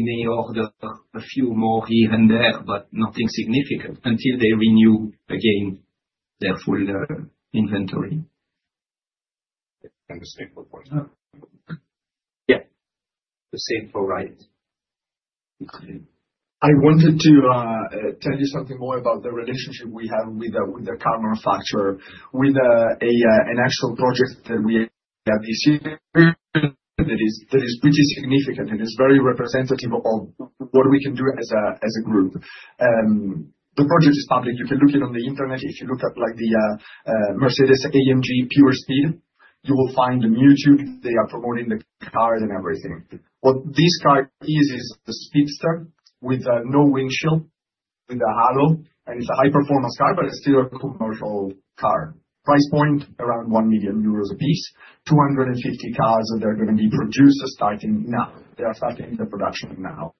may order a few more here and there, but nothing significant until they renew again their full inventory. Yeah. The same for rides. I wanted to tell you something more about the relationship we have with the car manufacturer, with an actual project that we have this year that is pretty significant and is very representative of what we can do as a group. The project is public. You can look it on the internet. If you look at the Mercedes AMG PureSpeed, you will find the Mutu. They are promoting the cars and everything. What this car is, is a speedster with no windshield, with a halo. It is a high-performance car, but it is still a commercial car. Price point around 1 million euros apiece. 250 cars that are going to be produced starting now. They are starting the production now.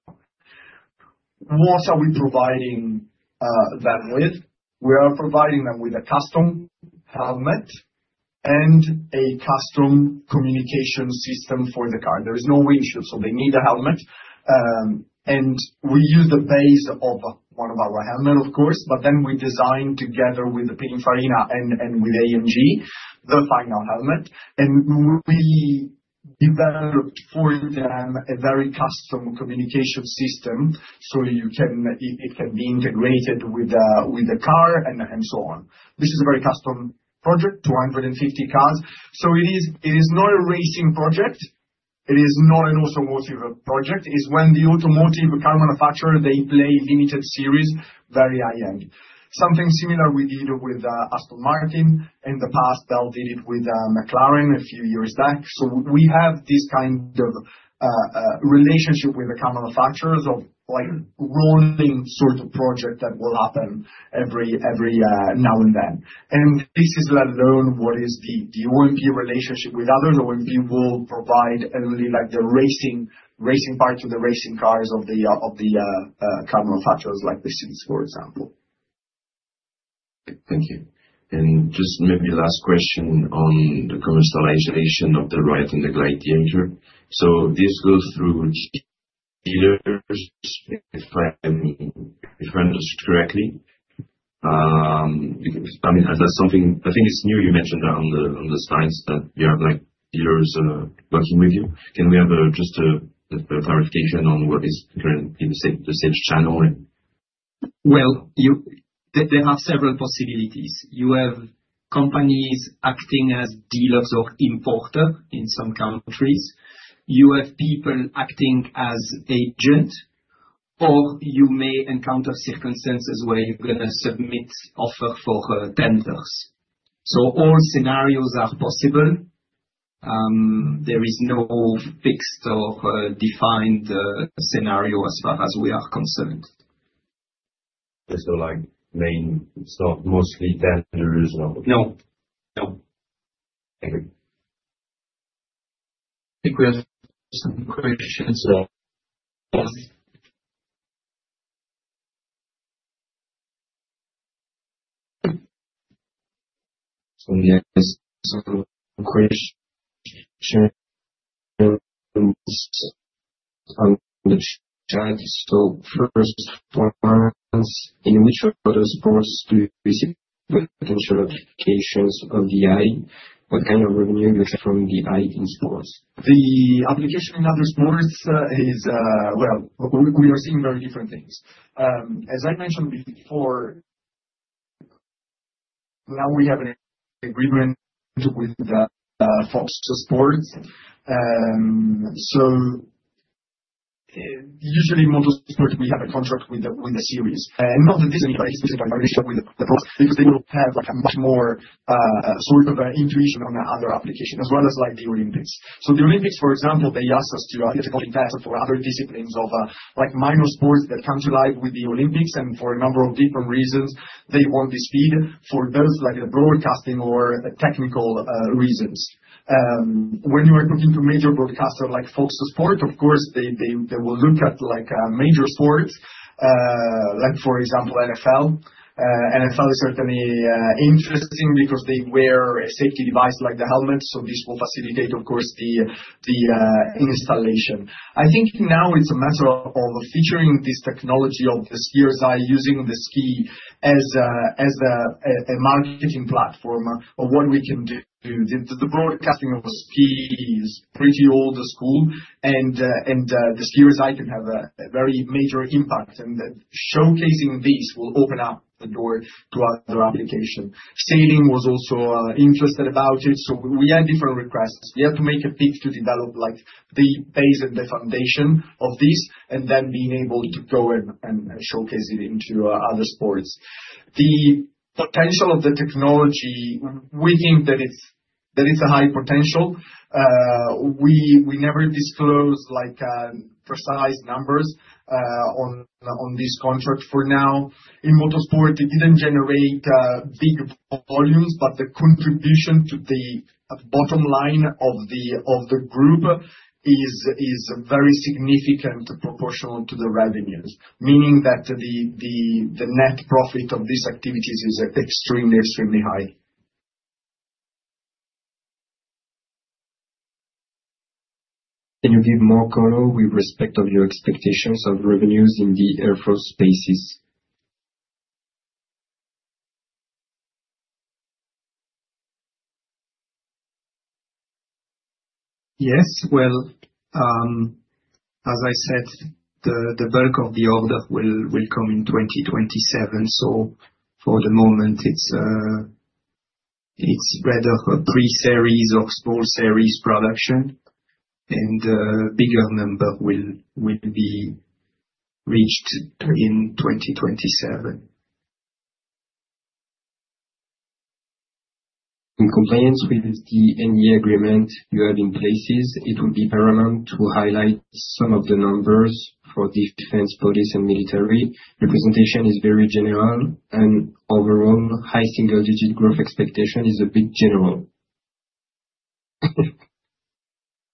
What are we providing them with? We are providing them with a custom helmet and a custom communication system for the car. There is no windshield, so they need a helmet. We use the base of one of our helmets, of course. Then we designed together with Pininfarina and with AMG the final helmet. We developed for them a very custom communication system so it can be integrated with the car and so on. This is a very custom project, 250 cars. It is not a racing project. It is not an automotive project. It's when the automotive car manufacturer, they play limited series, very high-end. Something similar we did with Aston Martin in the past. They did it with McLaren a few years back. We have this kind of relationship with the car manufacturers of rolling sort of project that will happen every now and then. This is learn what is the OMP relationship with others. OMP will provide only the racing part to the racing cars of the car manufacturers like the seats, for example. Thank you. Just maybe last question on the commercialization of the riot and the Gladiator. This goes through dealers, if I understood correctly. I mean, that's something I think is new. You mentioned that on the sites that you have dealers working with you. Can we have just a clarification on what is currently the sales channel? There are several possibilities. You have companies acting as dealers or importers in some countries. You have people acting as agents, or you may encounter circumstances where you're going to submit offers for tenders. All scenarios are possible. There is no fixed or defined scenario as far as we are concerned. Main stuff, mostly tenders? No. No. Thank you. I think we have some questions. First, in which other sports do you receive potential applications of the Eye? What kind of revenue do you get from the Eye in sports? The application in other sports is, like I mentioned before, now we have an agreement with Fox Sports. Usually in motorsport, we have a contract with the series. Not this anymore, exclusively with the sports because they will have a much more sort of intuition on other applications, as well as the Olympics. The Olympics, for example, they asked us to get a balling pattern for other disciplines of minor sports that come to life with the Olympics. For a number of different reasons, they want the speed for both broadcasting or technical reasons. When you are talking to major broadcasters like Fox Sports, of course, they will look at major sports, for example, NFL. NFL is certainly interesting because they wear a safety device like the helmet. This will facilitate, of course, the installation. I think now it's a matter of featuring this technology of the Skier's Eye using the ski as a marketing platform of what we can do. The broadcasting of ski is pretty old school, and the Skier's Eye can have a very major impact. Showcasing this will open up the door to other applications. Sailing was also interested about it. We had different requests. We had to make a pick to develop the base and the foundation of this and then being able to go and showcase it into other sports. The potential of the technology, we think that it's a high potential. We never disclosed precise numbers on this contract for now. In motorsport, it did not generate big volumes, but the contribution to the bottom line of the group is very significant proportional to the revenues, meaning that the net profit of these activities is extremely, extremely high. Can you give more color with respect to your expectations of revenues in the airfrost spaces? Yes. As I said, the bulk of the order will come in 2027. For the moment, it is rather a pre-series or small series production, and a bigger number will be reached in 2027. In compliance with the NEA agreement you have in place, it will be permanent to highlight some of the numbers for defense, police, and military. Representation is very general. Overall, high single-digit growth expectation is a bit general.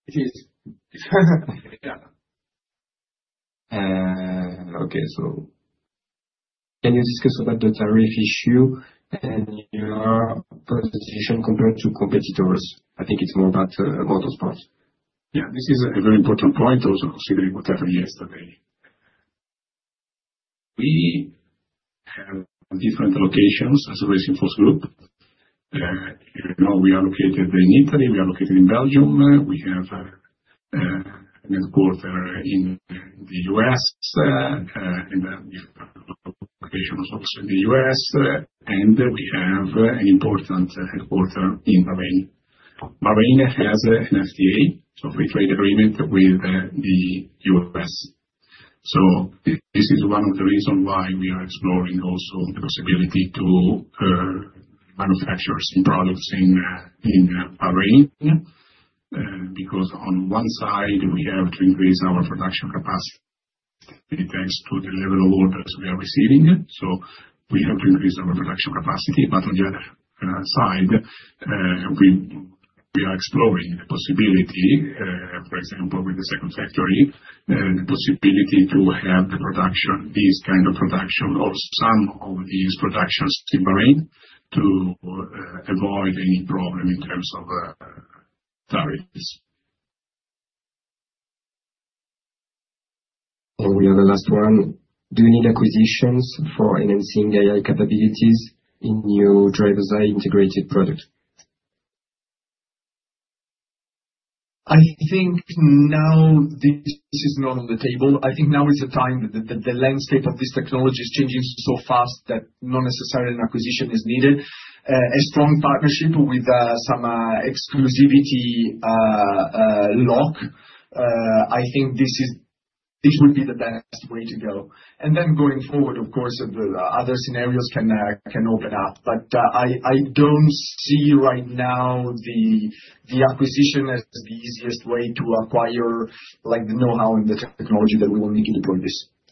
It is. Can you discuss about the tariff issue and your position compared to competitors? I think it is more about motorsport. Yeah. This is a very important point. I was also seeing whatever yesterday. We have different locations as a Racing Force Group. We are located in Italy. We are located in Belgium. We have a headquarter in the US, and we have a location also in the US. We have an important headquarter in Bahrain. Bahrain has an FTA, so a free trade agreement with the US. This is one of the reasons why we are exploring also the possibility to manufacture some products in Bahrain because on one side, we have to increase our production capacity thanks to the level of orders we are receiving. We have to increase our production capacity. On the other side, we are exploring the possibility, for example, with the second factory, the possibility to have this kind of production or some of these productions in Bahrain to avoid any problem in terms of tariffs. We have a last one. Do you need acquisitions for enhancing AI capabilities in new Driver's Eye integrated product? I think now this is not on the table. I think now is the time that the landscape of this technology is changing so fast that not necessarily an acquisition is needed. A strong partnership with some exclusivity lock, I think this would be the best way to go. Going forward, of course, other scenarios can open up. I do not see right now the acquisition as the easiest way to acquire the know-how and the technology that we will need to deploy this.